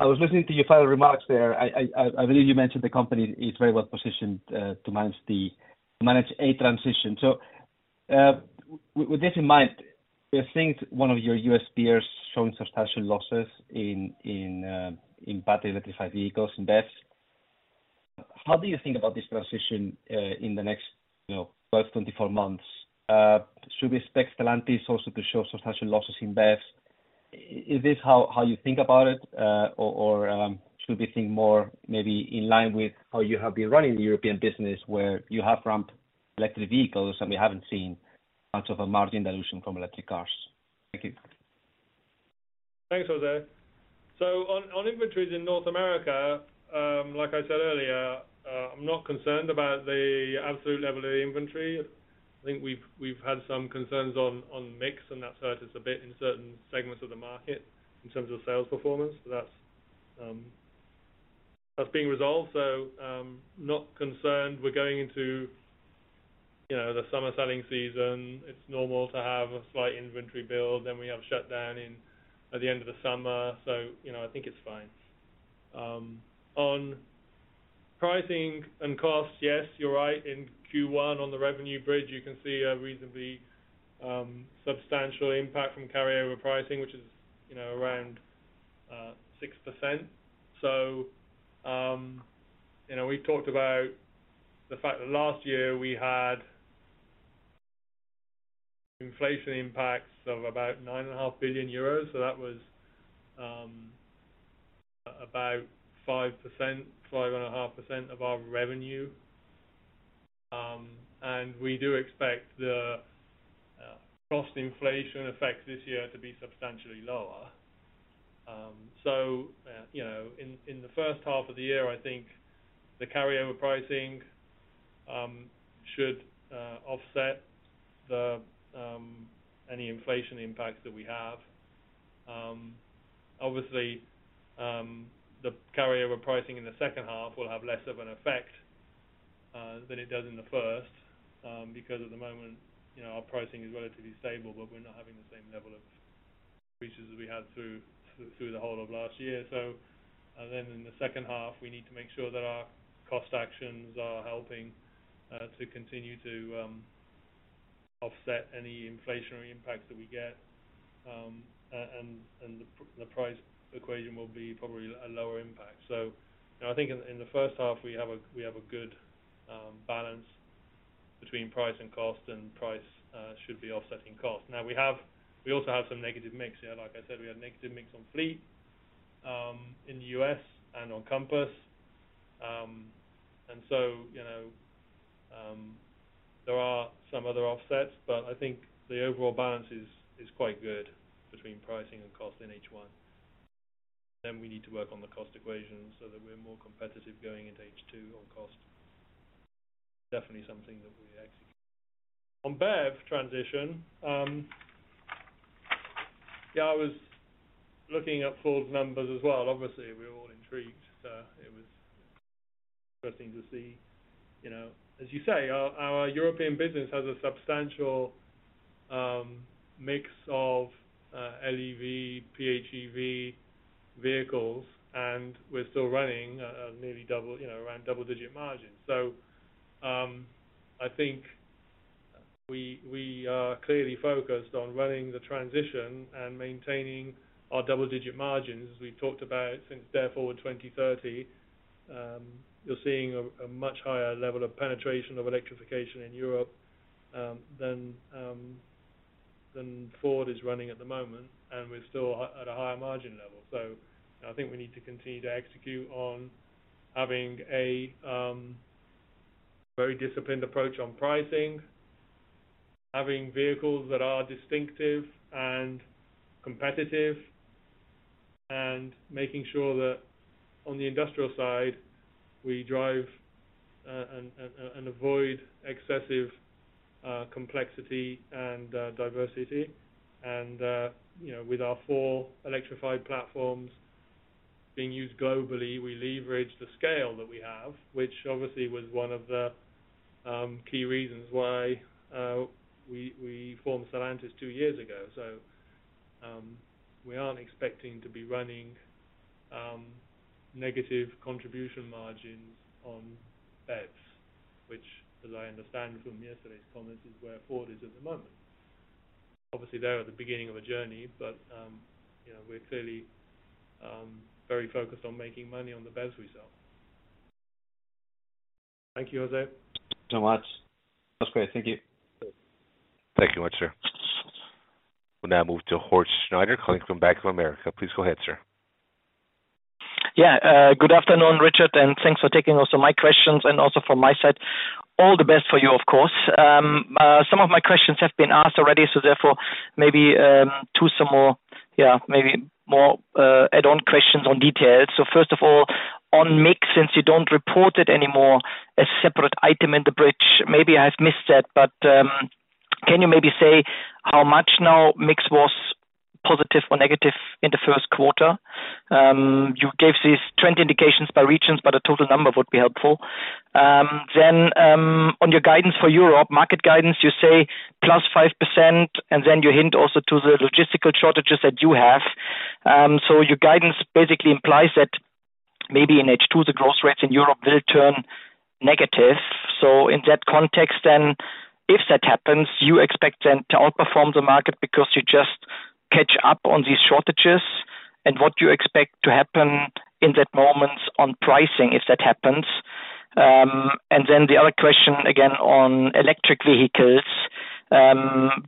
I: I was listening to your final remarks there. I believe you mentioned the company is very well positioned to manage a transition. With this in mind, we are seeing one of your U.S. peers showing substantial losses in battery electrified vehicles, in BEVs. How do you think about this transition, in the next, you know, 12, 24 months? Should we expect Stellantis also to show substantial losses in BEVs? Is this how you think about it? Or should we think more maybe in line with how you have been running the European business where you have ramped electric vehicles, and we haven't seen much of a margin dilution from electric cars? Thank you.
C: Thanks, José. On inventories in North America, like I said earlier, I'm not concerned about the absolute level of the inventory. I think we've had some concerns on mix, and that's hurt us a bit in certain segments of the market in terms of sales performance. That's being resolved, not concerned. We're going into, you know, the summer selling season. It's normal to have a slight inventory build. We have shutdown at the end of the summer. You know, I think it's fine. On pricing and costs, yes, you're right. In Q1, on the revenue bridge, you can see a reasonably substantial impact from carryover pricing, which is, you know, around 6%. You know, we talked about the fact that last year we had inflation impacts of about 9.5 billion euros. That was about 5%-5.5% of our revenue. We do expect the cost inflation effects this year to be substantially lower. You know, in the first half of the year, I think the carryover pricing should offset the any inflation impacts that we have. Obviously, the carryover pricing in the second half will have less of an effect than it does in the first, because at the moment, you know, our pricing is relatively stable, but we're not having the same level of increases as we had through the whole of last year. In the second half, we need to make sure that our cost actions are helping to continue to offset any inflationary impacts that we get. The price equation will be probably a lower impact. You know, I think in the first half we have a, we have a good balance. Between price and cost, and price should be offsetting cost. Now we also have some negative mix. Like I said, we had negative mix on fleet in the U.S. and on Compass. You know, there are some other offsets, but I think the overall balance is quite good between pricing and cost in H1. We need to work on the cost equation so that we're more competitive going into H2 on cost. Definitely something that we execute. On BEV transition, yeah, I was looking at Ford's numbers as well. Obviously, we're all intrigued, it was interesting to see. You know, as you say, our European business has a substantial mix of LEV, PHEV vehicles, and we're still running nearly double, you know, around double-digit margins. I think we are clearly focused on running the transition and maintaining our double-digit margins. We've talked about since Dare Forward 2030, you're seeing a much higher level of penetration of electrification in Europe than Ford is running at the moment, and we're still at a higher margin level. I think we need to continue to execute on having a very disciplined approach on pricing, having vehicles that are distinctive and competitive, and making sure that on the industrial side, we drive and avoid excessive complexity and diversity. you know, with our four electrified platforms being used globally, we leverage the scale that we have, which obviously was one of the key reasons why we formed Stellantis two years ago. we aren't expecting to be running negative contribution margins on BEVs, which as I understand from yesterday's comments, is where Ford is at the moment. Obviously, they are at the beginning of a journey, but, you know, we're clearly very focused on making money on the BEVs we sell. Thank you, José.
I: Thanks so much. That's great. Thank you.
A: Thank you much, sir. We'll now move to Horst Schneider calling from Bank of America. Please go ahead, sir.
J: Good afternoon, Richard, and thanks for taking also my questions and also from my side, all the best for you, of course. Some of my questions have been asked already, therefore maybe two some more, maybe more add-on questions on details. First of all, on mix, since you don't report it anymore, a separate item in the bridge, maybe I have missed that, but can you maybe say how much now mix was positive or negative in the first quarter? You gave these trend indications by regions, but a total number would be helpful. On your guidance for Europe, market guidance, you say +5%, then you hint also to the logistical shortages that you have. Your guidance basically implies that maybe in H2, the growth rates in Europe will turn negative. In that context, if that happens, you expect them to outperform the market because you just catch up on these shortages? What you expect to happen in that moment on pricing, if that happens? The other question, again, on electric vehicles,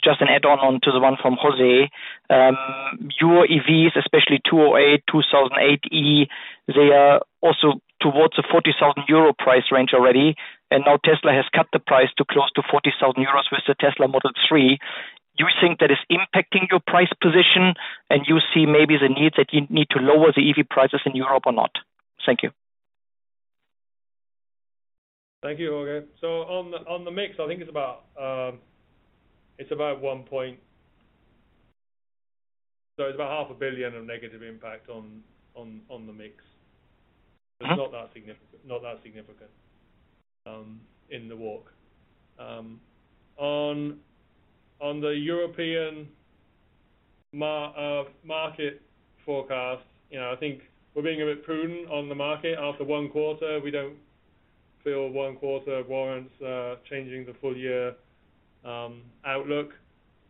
J: just an add-on onto the one from José. Your EVs, especially 208, e-2008, they are also towards the 40,000 euro price range already. Now Tesla has cut the price to close to 40,000 euros with the Tesla Model 3. Do you think that is impacting your price position? You see maybe the need that you need to lower the EV prices in Europe or not? Thank you.
C: Thank you, Horst. On the mix, I think it's about one point. It's about half a billion EUR of negative impact on the mix.
J: Uh-huh.
C: It's not that significant in the walk. On the European market forecast, you know, I think we're being a bit prudent on the market. After one quarter, we don't feel one quarter warrants changing the full year outlook.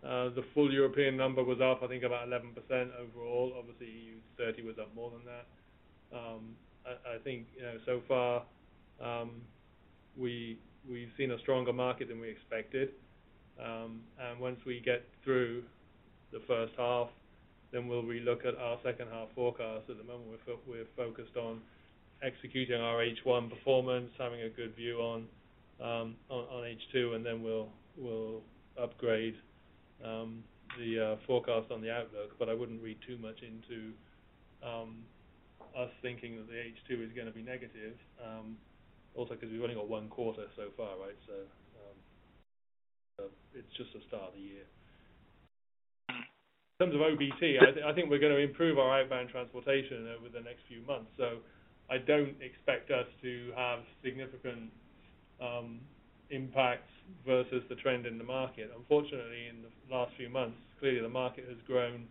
C: The full European number was up, I think, about 11% overall. Obviously EU30 was up more than that. I think, you know, so far, we've seen a stronger market than we expected. Once we get through the first half, then we'll relook at our second half forecast. At the moment, we're focused on executing our H1 performance, having a good view on H2, then we'll upgrade the forecast on the outlook. I wouldn't read too much into us thinking that the H2 is gonna be negative, also 'cause we've only got one quarter so far, right? It's just the start of the year. In terms of OBT, I think we're gonna improve our inbound transportation over the next few months, so I don't expect us to have significant impacts versus the trend in the market. Unfortunately, in the last few months, clearly the market has grown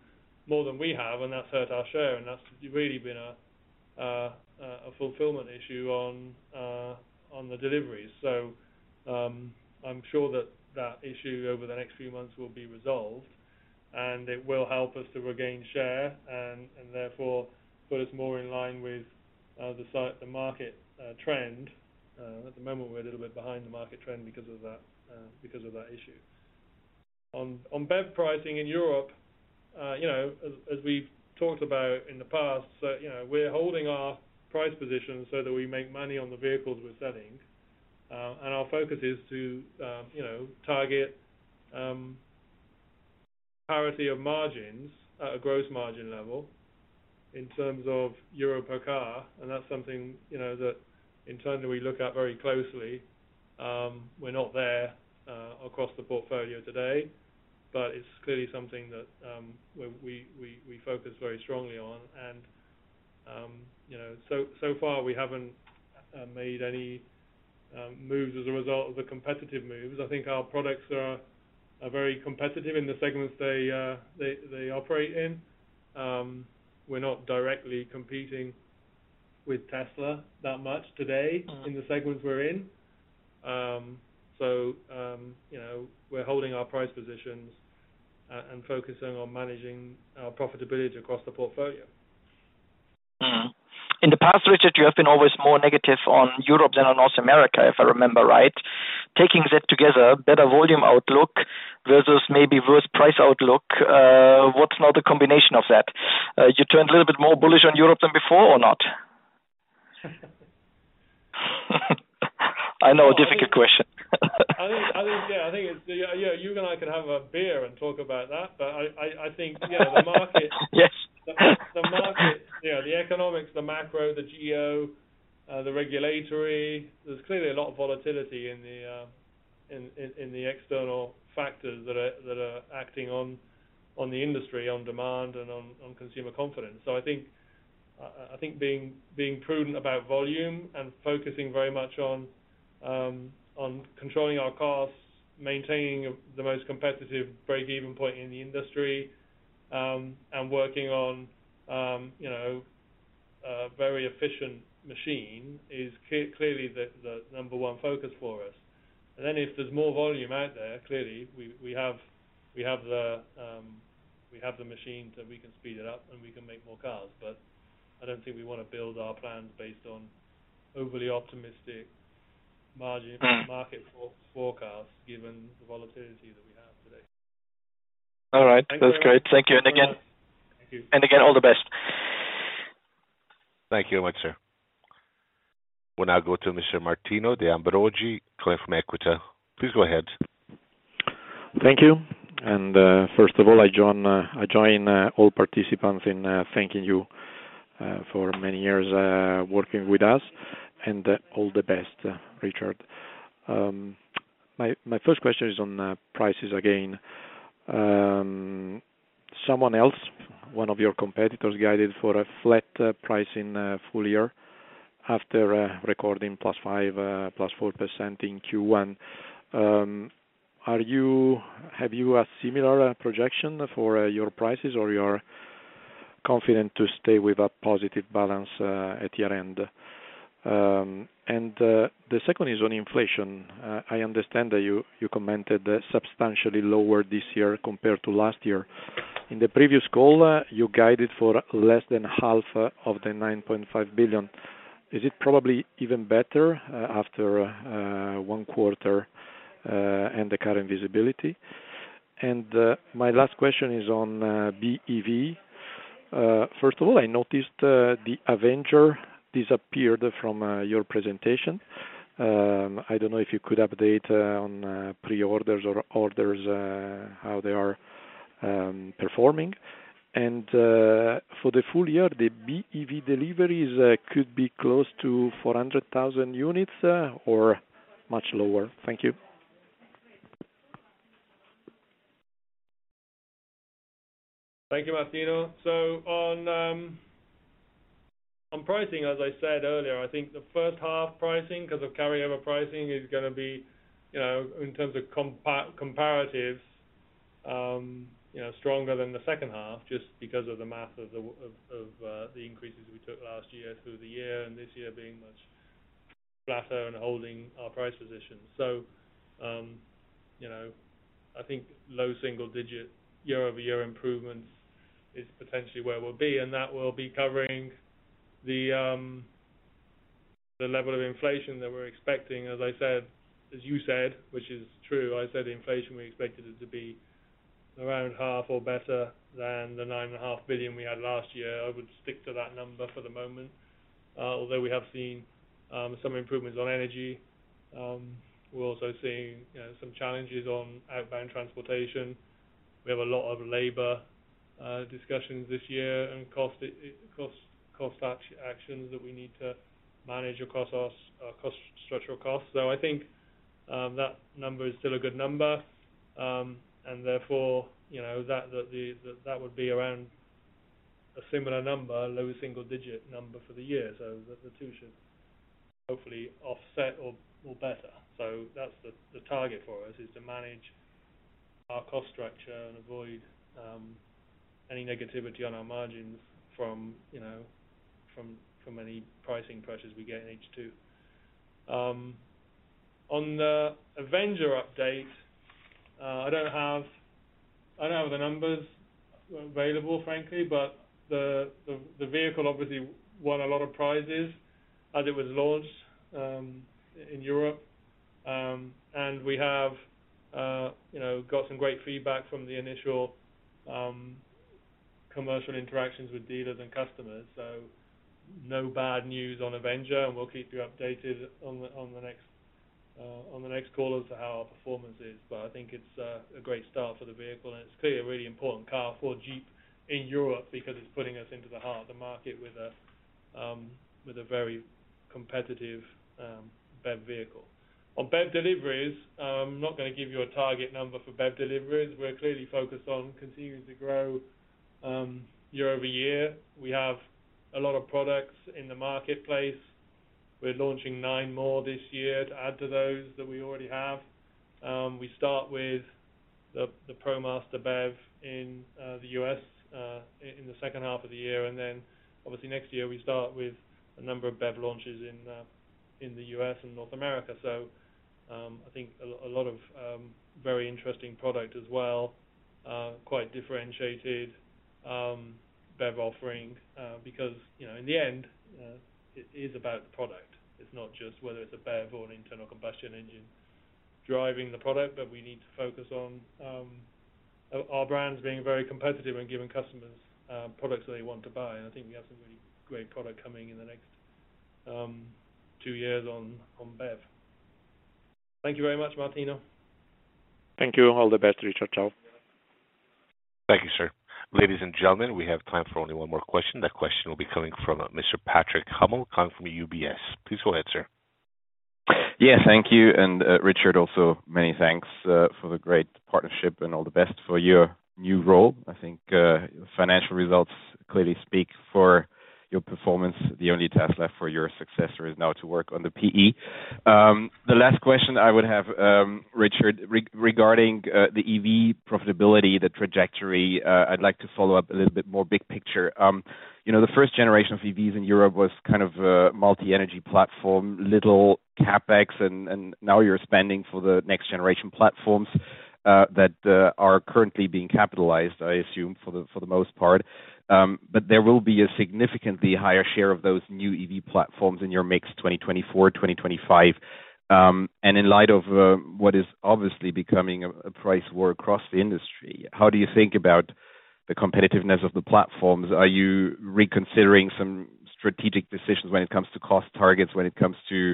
C: more than we have, and that's hurt our share, and that's really been a fulfillment issue on the deliveries. I'm sure that that issue over the next few months will be resolved. It will help us to regain share and therefore put us more in line with the market trend. At the moment, we're a little bit behind the market trend because of that issue. On BEV pricing in Europe, you know, as we've talked about in the past, you know, we're holding our price position so that we make money on the vehicles we're selling. Our focus is to, you know, target parity of margins at a gross margin level in terms of euro per car, that's something, you know, that internally we look at very closely. We're not there across the portfolio today, but it's clearly something that we focus very strongly on. You know, so far, we haven't made any moves as a result of the competitive moves. I think our products are very competitive in the segments they operate in. We're not directly competing with Tesla that much today in the segments we're in. You know, we're holding our price positions and focusing on managing our profitability across the portfolio.
J: In the past, Richard, you have been always more negative on Europe than on North America, if I remember right. Taking that together, better volume outlook versus maybe worse price outlook, what's now the combination of that? You turned a little bit more bullish on Europe than before or not? I know a difficult question.
C: I think, yeah. I think it's, yeah, you and I can have a beer and talk about that, but I think, you know.
J: Yes.
C: The market, you know, the economics, the macro, the geo, the regulatory, there's clearly a lot of volatility in the external factors that are acting on the industry, on demand and on consumer confidence. I think being prudent about volume and focusing very much on controlling our costs, maintaining the most competitive break-even point in the industry, and working on, you know, a very efficient machine is clearly the number one focus for us. If there's more volume out there, clearly we have the machines that we can speed it up and we can make more cars. I don't think we wanna build our plans based on overly optimistic margin-.
J: Mm-hmm
C: Market forecast given the volatility that we have today.
J: All right. That's great. Thank you.
C: Thank you very much.
J: And again-
C: Thank you.
J: Again, all the best.
A: Thank you very much, sir. We'll now go to Mr. Martino De Ambroggi, Equita SIM. Please go ahead.
K: Thank you. First of all, I join all participants in thanking you for many years working with us, and all the best, Richard. My first question is on prices again. Someone else, one of your competitors guided for a flat pricing full year after recording +5%, +4% in Q1. Have you a similar projection for your prices or you're confident to stay with a positive balance at your end? The second is on inflation. I understand that you commented substantially lower this year compared to last year. In the previous call, you guided for less than half of the 9.5 billion. Is it probably even better after 1 quarter and the current visibility? My last question is on BEV. First of all, I noticed the Avenger disappeared from your presentation. I don't know if you could update on pre-orders or orders, how they are performing. For the full year, the BEV deliveries could be close to 400,000 units or much lower. Thank you.
C: Thank you, Martino. On pricing, as I said earlier, I think the first half pricing, 'cause of carryover pricing, is gonna be, in terms of comparatives, stronger than the second half, just because of the math of the increases we took last year through the year and this year being much flatter and holding our price position. You know, I think low single digit year-over-year improvements is potentially where we'll be, and that will be covering the level of inflation that we're expecting. As I said, as you said, which is true, I said inflation, we expected it to be around half or better than the nine and a half billion we had last year. I would stick to that number for the moment. Although we have seen some improvements on energy, we're also seeing, some challenges on outbound transportation. We have a lot of labor discussions this year and cost actions that we need to manage across our structural costs. I think that number is still a good number. Therefore, that would be around a similar number, low single digit number for the year. The two should hopefully offset or better. That's the target for us, is to manage our cost structure and avoid any negativity on our margins from, you know, from any pricing pressures we get in H2. On the Avenger update, I don't have the numbers available, frankly, the vehicle obviously won a lot of prizes as it was launched in Europe. We have, you know, got some great feedback from the initial commercial interactions with dealers and customers. No bad news on Avenger, and we'll keep you updated on the next call as to how our performance is. I think it's a great start for the vehicle, and it's clearly a really important car for Jeep in Europe because it's putting us into the heart of the market with a very competitive BEV vehicle. On BEV deliveries, I'm not gonna give you a target number for BEV deliveries. We're clearly focused on continuing to grow year-over-year. We have a lot of products in the marketplace. We're launching nine more this year to add to those that we already have. We start with the ProMaster BEV in the U.S. in the second half of the year. Obviously next year we start with a number of BEV launches in the U.S. and North America. I think a lot of very interesting product as well, quite differentiated BEV offering. Because, you know, in the end, it is about the product. It's not just whether it's a BEV or an internal combustion engine driving the product, but we need to focus on our brands being very competitive and giving customers products that they want to buy. I think we have some really great product coming in the next, two years on BEV. Thank you very much, Martino.
K: Thank you. All the best, Richard. Ciao.
A: Thank you, sir. Ladies and gentlemen, we have time for only one more question. That question will be coming from Mr. Patrick Hummel coming from UBS. Please go ahead, sir.
L: Yeah, thank you. Richard, also, many thanks for the great partnership and all the best for your new role. I think financial results clearly speak for your performance. The only task left for your successor is now to work on the PE. The last question I would have, Richard, regarding the EV profitability, the trajectory, I'd like to follow up a little bit more big picture. You know, the first generation of EVs in Europe was kind of a multi-energy platform, little CapEx and now you're spending for the next generation platforms that are currently being capitalized, I assume, for the most part. There will be a significantly higher share of those new EV platforms in your mix 2024, 2025. And in light of what is obviously becoming a price war across the industry, how do you think about the competitiveness of the platforms? Are you reconsidering some strategic decisions when it comes to cost targets, when it comes to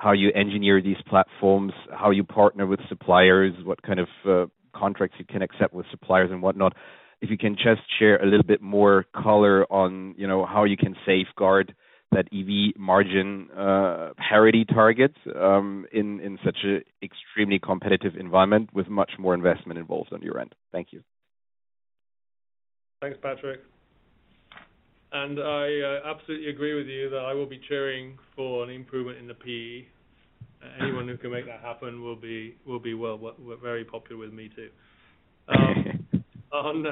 L: how you engineer these platforms, how you partner with suppliers, what kind of contracts you can accept with suppliers and whatnot? If you can just share a little more color on, you know, how you can safeguard that EV margin parity target in such an extremely competitive environment with much more investment involved on your end. Thank you.
C: Thanks, Patrick. I absolutely agree with you that I will be cheering for an improvement in the PE. Anyone who can make that happen will be very popular with me too. on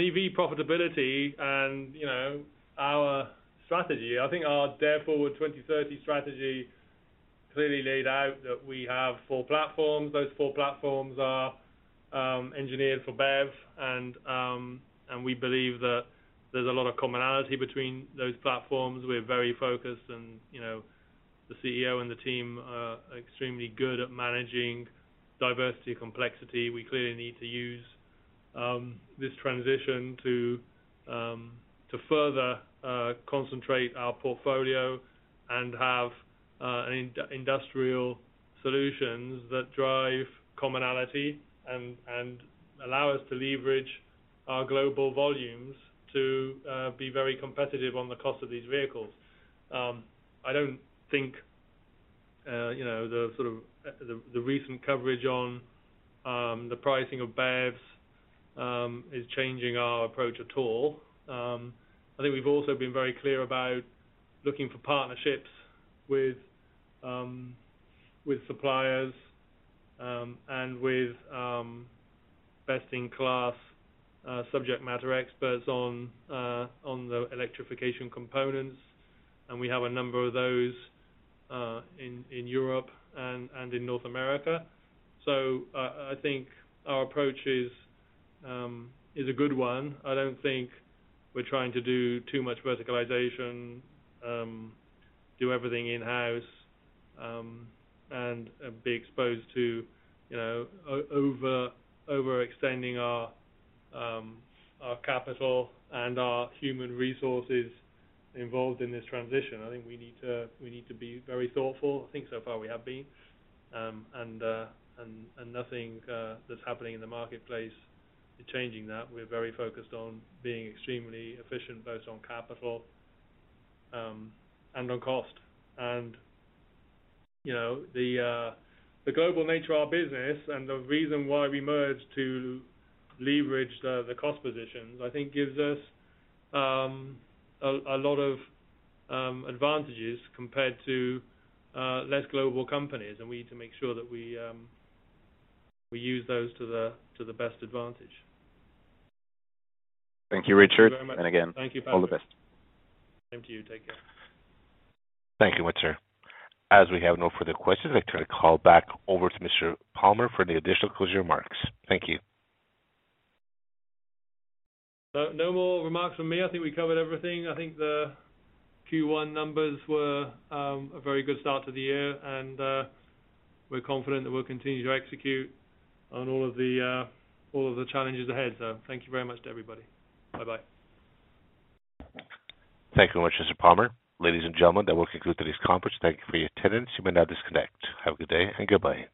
C: EV profitability and, you know, our strategy, I think our Dare Forward 2030 strategy clearly laid out that we have 4 platforms. Those 4 platforms are engineered for BEV and we believe that there's a lot of commonality between those platforms. We're very focused and, you know, the CEO and the team are extremely good at managing diversity complexity. We clearly need to use this transition to further concentrate our portfolio and have industrial solutions that drive commonality and allow us to leverage our global volumes to be very competitive on the cost of these vehicles. I don't think, you know, the sort of the recent coverage on the pricing of BEVs is changing our approach at all. I think we've also been very clear about looking for partnerships with suppliers and with best-in-class subject matter experts on the electrification components. We have a number of those in Europe and in North America. I think our approach is a good one. I don't think we're trying to do too much verticalization, do everything in-house, and be exposed to, you know, overextending our capital and our human resources involved in this transition. I think we need to, we need to be very thoughtful. I think so far we have been. Nothing that's happening in the marketplace is changing that. We're very focused on being extremely efficient, both on capital and on cost. You know, the global nature of our business and the reason why we merged to leverage the cost positions, I think gives us a lot of advantages compared to less global companies. We need to make sure that we use those to the best advantage.
L: Thank you, Richard.
C: Thank you very much.
L: And again-
C: Thank you, Patrick.
L: All the best.
C: Same to you. Take care.
A: Thank you once again. As we have no further questions, I'd like to call back over to Mr. Palmer for any additional closing remarks. Thank you.
C: No, no more remarks from me. I think we covered everything. I think the Q1 numbers were a very good start to the year, and we're confident that we'll continue to execute on all of the challenges ahead. Thank you very much to everybody. Bye-bye.
A: Thank you very much, Mr. Palmer. Ladies and gentlemen, that will conclude today's conference. Thank you for your attendance. You may now disconnect. Have a good day and goodbye.